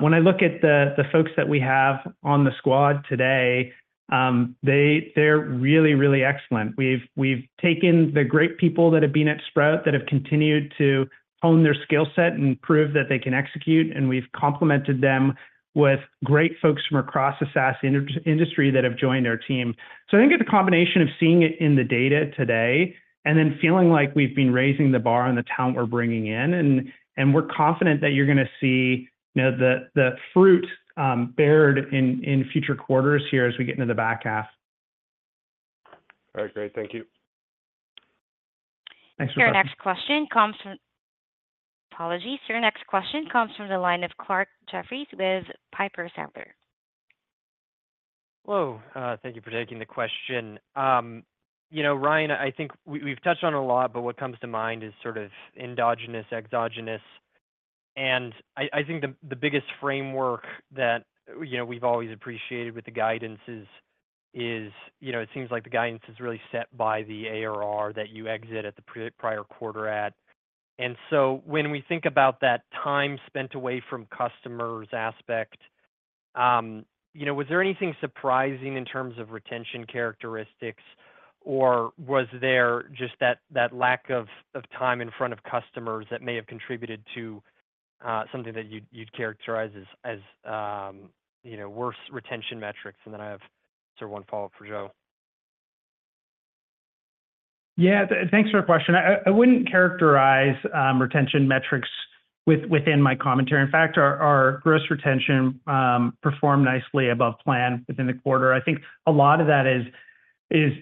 Speaker 4: When I look at the folks that we have on the squad today, they're really, really excellent. We've taken the great people that have been at Sprout, that have continued to hone their skill set and prove that they can execute, and we've complemented them with great folks from across the SaaS industry that have joined our team. So I think of the combination of seeing it in the data today, and then feeling like we've been raising the bar on the talent we're bringing in, and we're confident that you're gonna see, you know, the fruit borne in future quarters here as we get into the back half.
Speaker 15: All right, great. Thank you.
Speaker 4: Thanks for-
Speaker 1: Your next question comes from... Apologies. Your next question comes from the line of Clarke Jeffries with Piper Sandler.
Speaker 16: Hello. Thank you for taking the question. You know, Ryan, I think we've touched on it a lot, but what comes to mind is sort of endogenous, exogenous. I think the biggest framework that, you know, we've always appreciated with the guidance is, you know, it seems like the guidance is really set by the ARR that you exit at the prior quarter at, so when we think about that time spent away from customers aspect, you know, was there anything surprising in terms of retention characteristics, or was there just that lack of time in front of customers that may have contributed to something that you'd characterize as, you know, worse retention metrics? Then I have sort of one follow-up for Joe.
Speaker 4: Yeah, thanks for your question. I wouldn't characterize retention metrics within my commentary. In fact, our gross retention performed nicely above plan within the quarter. I think a lot of that is,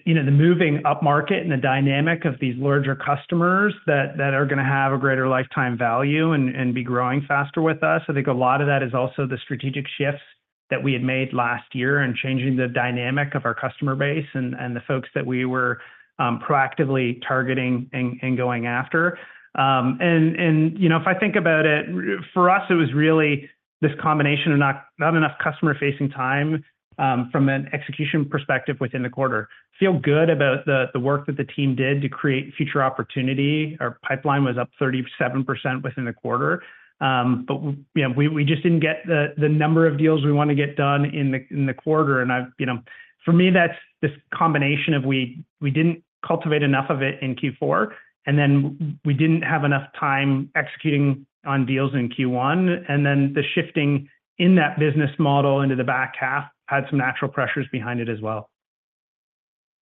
Speaker 4: you know, the moving upmarket and the dynamic of these larger customers that are gonna have a greater lifetime value and be growing faster with us. I think a lot of that is also the strategic shifts that we had made last year and changing the dynamic of our customer base and the folks that we were proactively targeting and going after. You know, if I think about it, for us, it was really this combination of not enough customer-facing time from an execution perspective within the quarter. Feel good about the work that the team did to create future opportunity. Our pipeline was up 37% within the quarter. But you know, we just didn't get the number of deals we wanna get done in the quarter, and I've... You know, for me, that's this combination of we didn't cultivate enough of it in Q4, and then we didn't have enough time executing on deals in Q1, and then the shifting in that business model into the back half had some natural pressures behind it as well.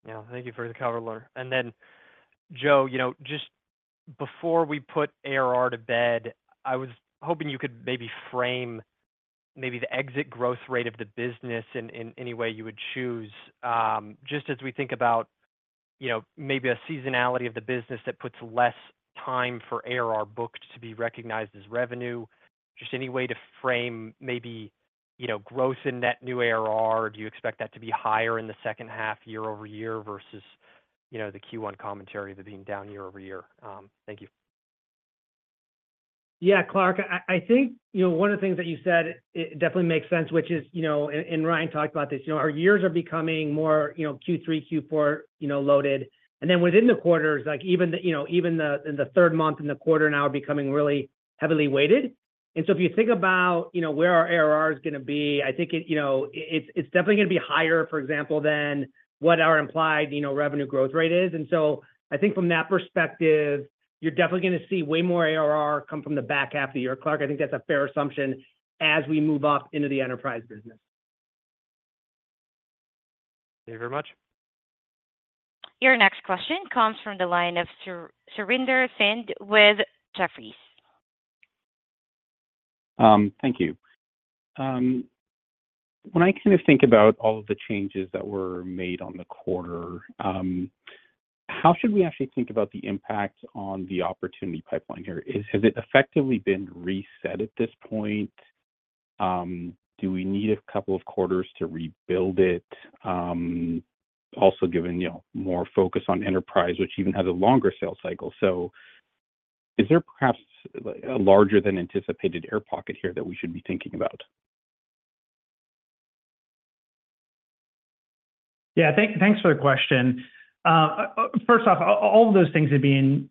Speaker 16: Yeah. Thank you for the color. And then, Joe, you know, just before we put ARR to bed, I was hoping you could maybe frame maybe the exit growth rate of the business in any way you would choose. Just as we think about, you know, maybe a seasonality of the business that puts less time for ARR booked to be recognized as revenue, just any way to frame, maybe, you know, gross and net new ARR, do you expect that to be higher in the second half year-over-year versus, you know, the Q1 commentary being down year-over-year? Thank you.
Speaker 5: Yeah, Clark, I, I think, you know, one of the things that you said, it, it definitely makes sense, which is, you know, and, and Ryan talked about this, you know, our years are becoming more, you know, Q3, Q4, you know, loaded. And then within the quarters, like even the, you know, even the, in the third month, in the quarter now becoming really heavily weighted. And so if you think about, you know, where our ARR is gonna be, I think it, you know, it's, it's definitely gonna be higher, for example, than what our implied, you know, revenue growth rate is. And so I think from that perspective, you're definitely gonna see way more ARR come from the back half of the year, Clark. I think that's a fair assumption as we move up into the enterprise business.
Speaker 16: Thank you very much.
Speaker 1: Your next question comes from the line of Surinder Thind with Jefferies.
Speaker 17: Thank you. When I kind of think about all of the changes that were made on the quarter, how should we actually think about the impact on the opportunity pipeline here? Has it effectively been reset at this point? Do we need a couple of quarters to rebuild it? Also given, you know, more focus on enterprise, which even has a longer sales cycle. So is there perhaps a larger than anticipated air pocket here that we should be thinking about?
Speaker 4: Yeah. Thanks for the question. First off, all of those things are being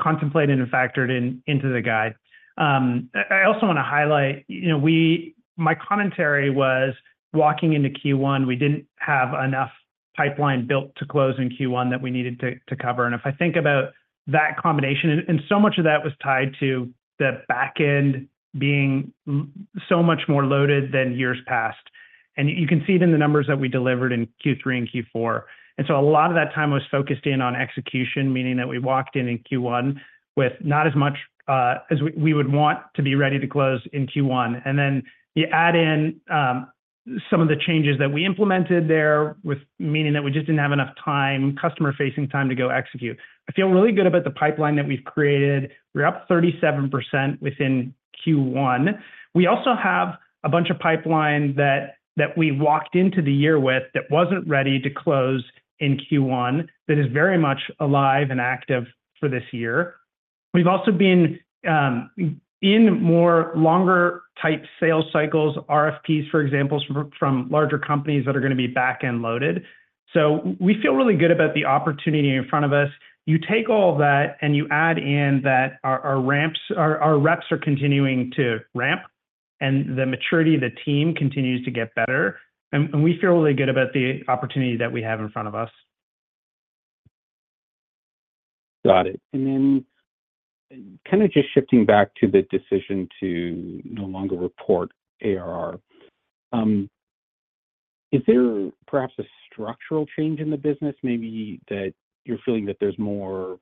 Speaker 4: contemplated and factored in into the guide. I also wanna highlight, you know, we—my commentary was walking into Q1, we didn't have enough pipeline built to close in Q1 that we needed to cover. And if I think about that combination, and so much of that was tied to the back end being so much more loaded than years past. And you can see it in the numbers that we delivered in Q3 and Q4. And so a lot of that time was focused in on execution, meaning that we walked in in Q1 with not as much as we would want to be ready to close in Q1. And then you add in some of the changes that we implemented there with, meaning that we just didn't have enough time, customer facing time to go execute. I feel really good about the pipeline that we've created. We're up 37% within Q1. We also have a bunch of pipeline that we walked into the year with, that wasn't ready to close in Q1, that is very much alive and active for this year. We've also been in more longer type sales cycles, RFPs, for example, from larger companies that are gonna be back end loaded. So we feel really good about the opportunity in front of us. You take all of that and you add in that our ramps, our reps are continuing to ramp, and the maturity of the team continues to get better. And we feel really good about the opportunity that we have in front of us.
Speaker 17: Got it. Then kind of just shifting back to the decision to no longer report ARR. Is there perhaps a structural change in the business, maybe that you're feeling that there's more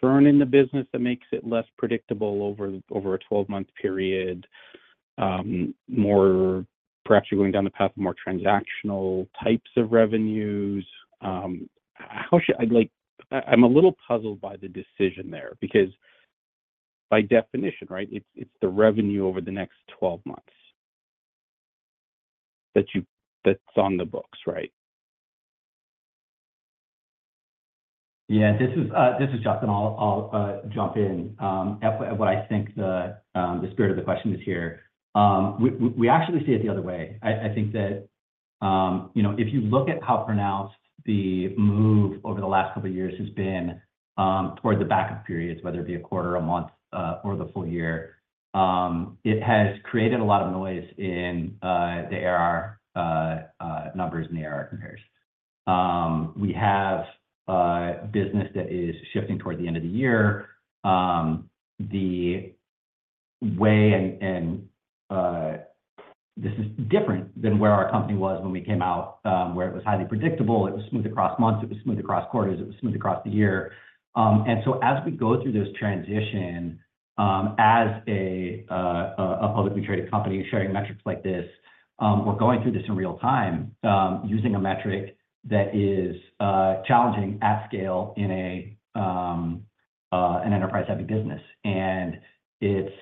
Speaker 17: churn in the business that makes it less predictable over a 12 month period? More perhaps you're going down the path of more transactional types of revenues. How should... I'd like, I'm a little puzzled by the decision there, because by definition, right, it's the revenue over the next twelve months that you-- that's on the books, right?
Speaker 3: Yeah. This is Justyn. I'll jump in at what I think the spirit of the question is here. We actually see it the other way. I think that, you know, if you look at how pronounced the move over the last couple of years has been, toward the back of periods, whether it be a quarter, a month, or the full year, it has created a lot of noise in the ARR numbers and the ARR compares. We have a business that is shifting toward the end of the year. The way and this is different than where our company was when we came out, where it was highly predictable. It was smooth across months, it was smooth across quarters, it was smooth across the year. And so as we go through this transition, as a publicly traded company sharing metrics like this, we're going through this in real time, using a metric that is challenging at scale in an enterprise type of business. And it's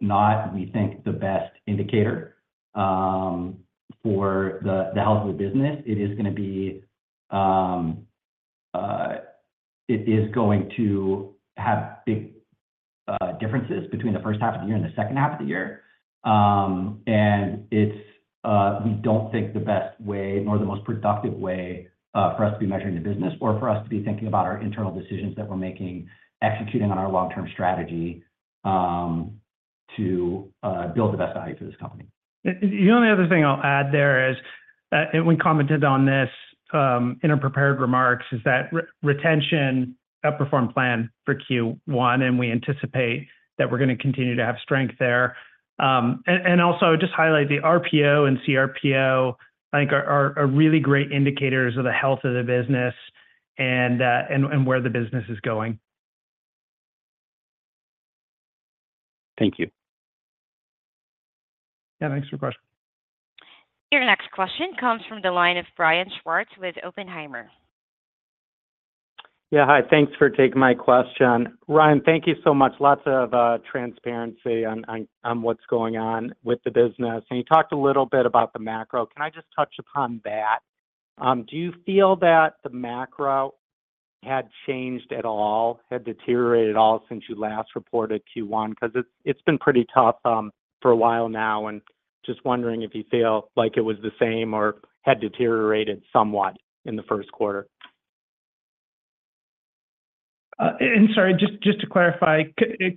Speaker 3: not, we think, the best indicator for the health of the business. It is going to have big differences between the first half of the year and the second half of the year. We don't think the best way nor the most productive way for us to be measuring the business or for us to be thinking about our internal decisions that we're making, executing on our long-term strategy to build the best value for this company.
Speaker 4: The only other thing I'll add there is, and we commented on this in our prepared remarks, is that retention outperformed plan for Q1, and we anticipate that we're gonna continue to have strength there. And also just highlight the RPO and CRPO. I think are really great indicators of the health of the business and where the business is going.
Speaker 17: Thank you.
Speaker 4: Yeah, thanks for your question.
Speaker 1: Your next question comes from the line of Brian Schwartz with Oppenheimer.
Speaker 18: Yeah, hi. Thanks for taking my question. Ryan, thank you so much. Lots of transparency on what's going on with the business. And you talked a little bit about the macro. Can I just touch upon that? Do you feel that the macro had changed at all, had deteriorated at all since you last reported Q1? Because it's been pretty tough for a while now, and just wondering if you feel like it was the same or had deteriorated somewhat in the first quarter.
Speaker 4: And sorry, just, just to clarify,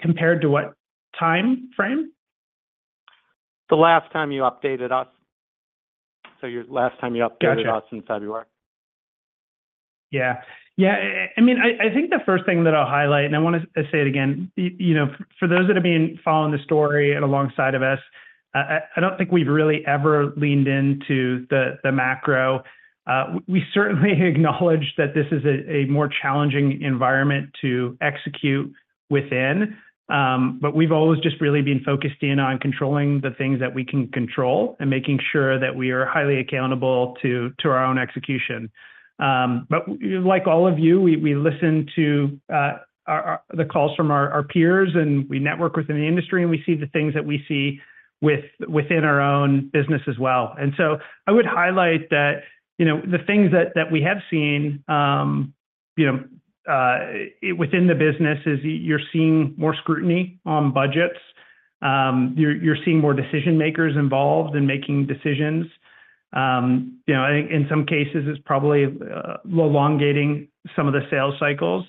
Speaker 4: compared to what time frame?
Speaker 18: The last time you updated us. So, your last time you updated us.
Speaker 4: Gotcha...
Speaker 18: us in February....
Speaker 4: Yeah. Yeah, I mean, I think the first thing that I'll highlight, and I wanna say it again, you know, for those that have been following the story and alongside of us, I don't think we've really ever leaned into the macro. We certainly acknowledge that this is a more challenging environment to execute within, but we've always just really been focused in on controlling the things that we can control and making sure that we are highly accountable to our own execution. But like all of you, we listen to the calls from our peers, and we network within the industry, and we see the things that we see within our own business as well. So I would highlight that, you know, the things that, that we have seen, you know, within the business is you're seeing more scrutiny on budgets. You're, you're seeing more decision-makers involved in making decisions. You know, I think in some cases, it's probably elongating some of the sales cycles.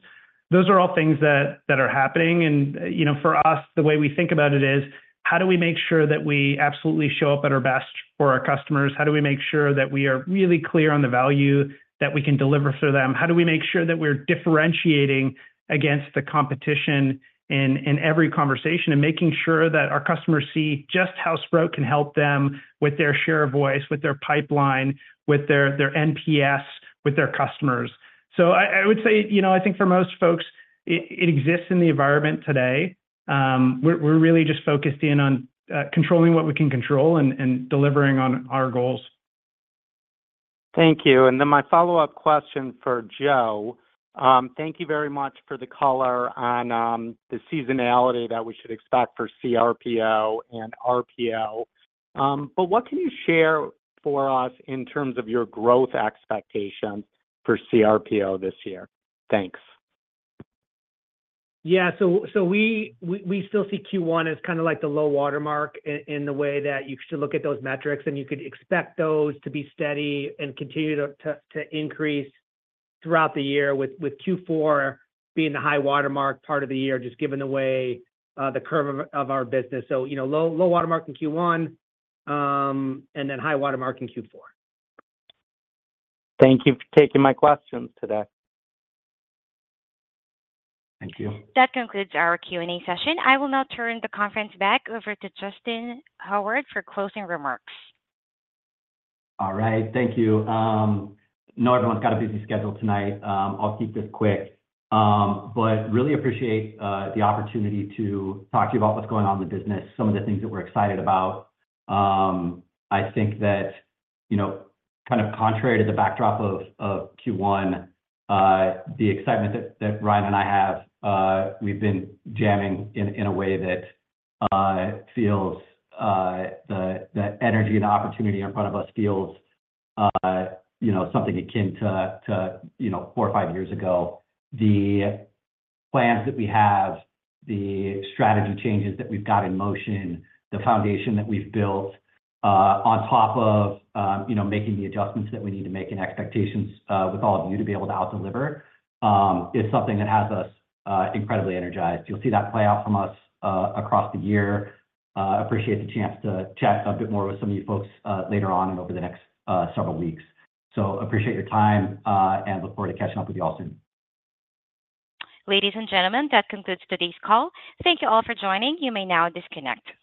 Speaker 4: Those are all things that, that are happening. And, you know, for us, the way we think about it is, how do we make sure that we absolutely show up at our best for our customers? How do we make sure that we are really clear on the value that we can deliver for them? How do we make sure that we're differentiating against the competition in every conversation, and making sure that our customers see just how Sprout can help them with their share of voice, with their pipeline, with their NPS, with their customers? So I would say, you know, I think for most folks, it exists in the environment today. We're really just focused in on controlling what we can control and delivering on our goals.
Speaker 18: Thank you. And then my follow-up question for Joe. Thank you very much for the color on the seasonality that we should expect for CRPO and RPO. But what can you share for us in terms of your growth expectations for CRPO this year? Thanks.
Speaker 5: Yeah. So, we still see Q1 as kind of like the low water mark in the way that you should look at those metrics, and you could expect those to be steady and continue to increase throughout the year, with Q4 being the high water mark part of the year, just given the way, the curve of our business. So, you know, low water mark in Q1, and then high water mark in Q4.
Speaker 18: Thank you for taking my questions today. Thank you.
Speaker 1: That concludes our Q&A session. I will now turn the conference back over to Justyn Howard for closing remarks.
Speaker 3: All right. Thank you. I know everyone's got a busy schedule tonight, I'll keep this quick. But really appreciate the opportunity to talk to you about what's going on in the business, some of the things that we're excited about. I think that, you know, kind of contrary to the backdrop of Q1, the excitement that Ryan and I have, we've been jamming in a way that feels the energy and opportunity in front of us feels, you know, something akin to, you know, four or five years ago. The plans that we have, the strategy changes that we've got in motion, the foundation that we've built, on top of, you know, making the adjustments that we need to make and expectations with all of you to be able to out-deliver, is something that has us incredibly energized. You'll see that play out from us across the year. Appreciate the chance to chat a bit more with some of you folks later on and over the next several weeks. So appreciate your time and look forward to catching up with you all soon.
Speaker 1: Ladies and gentlemen, that concludes today's call. Thank you all for joining. You may now disconnect.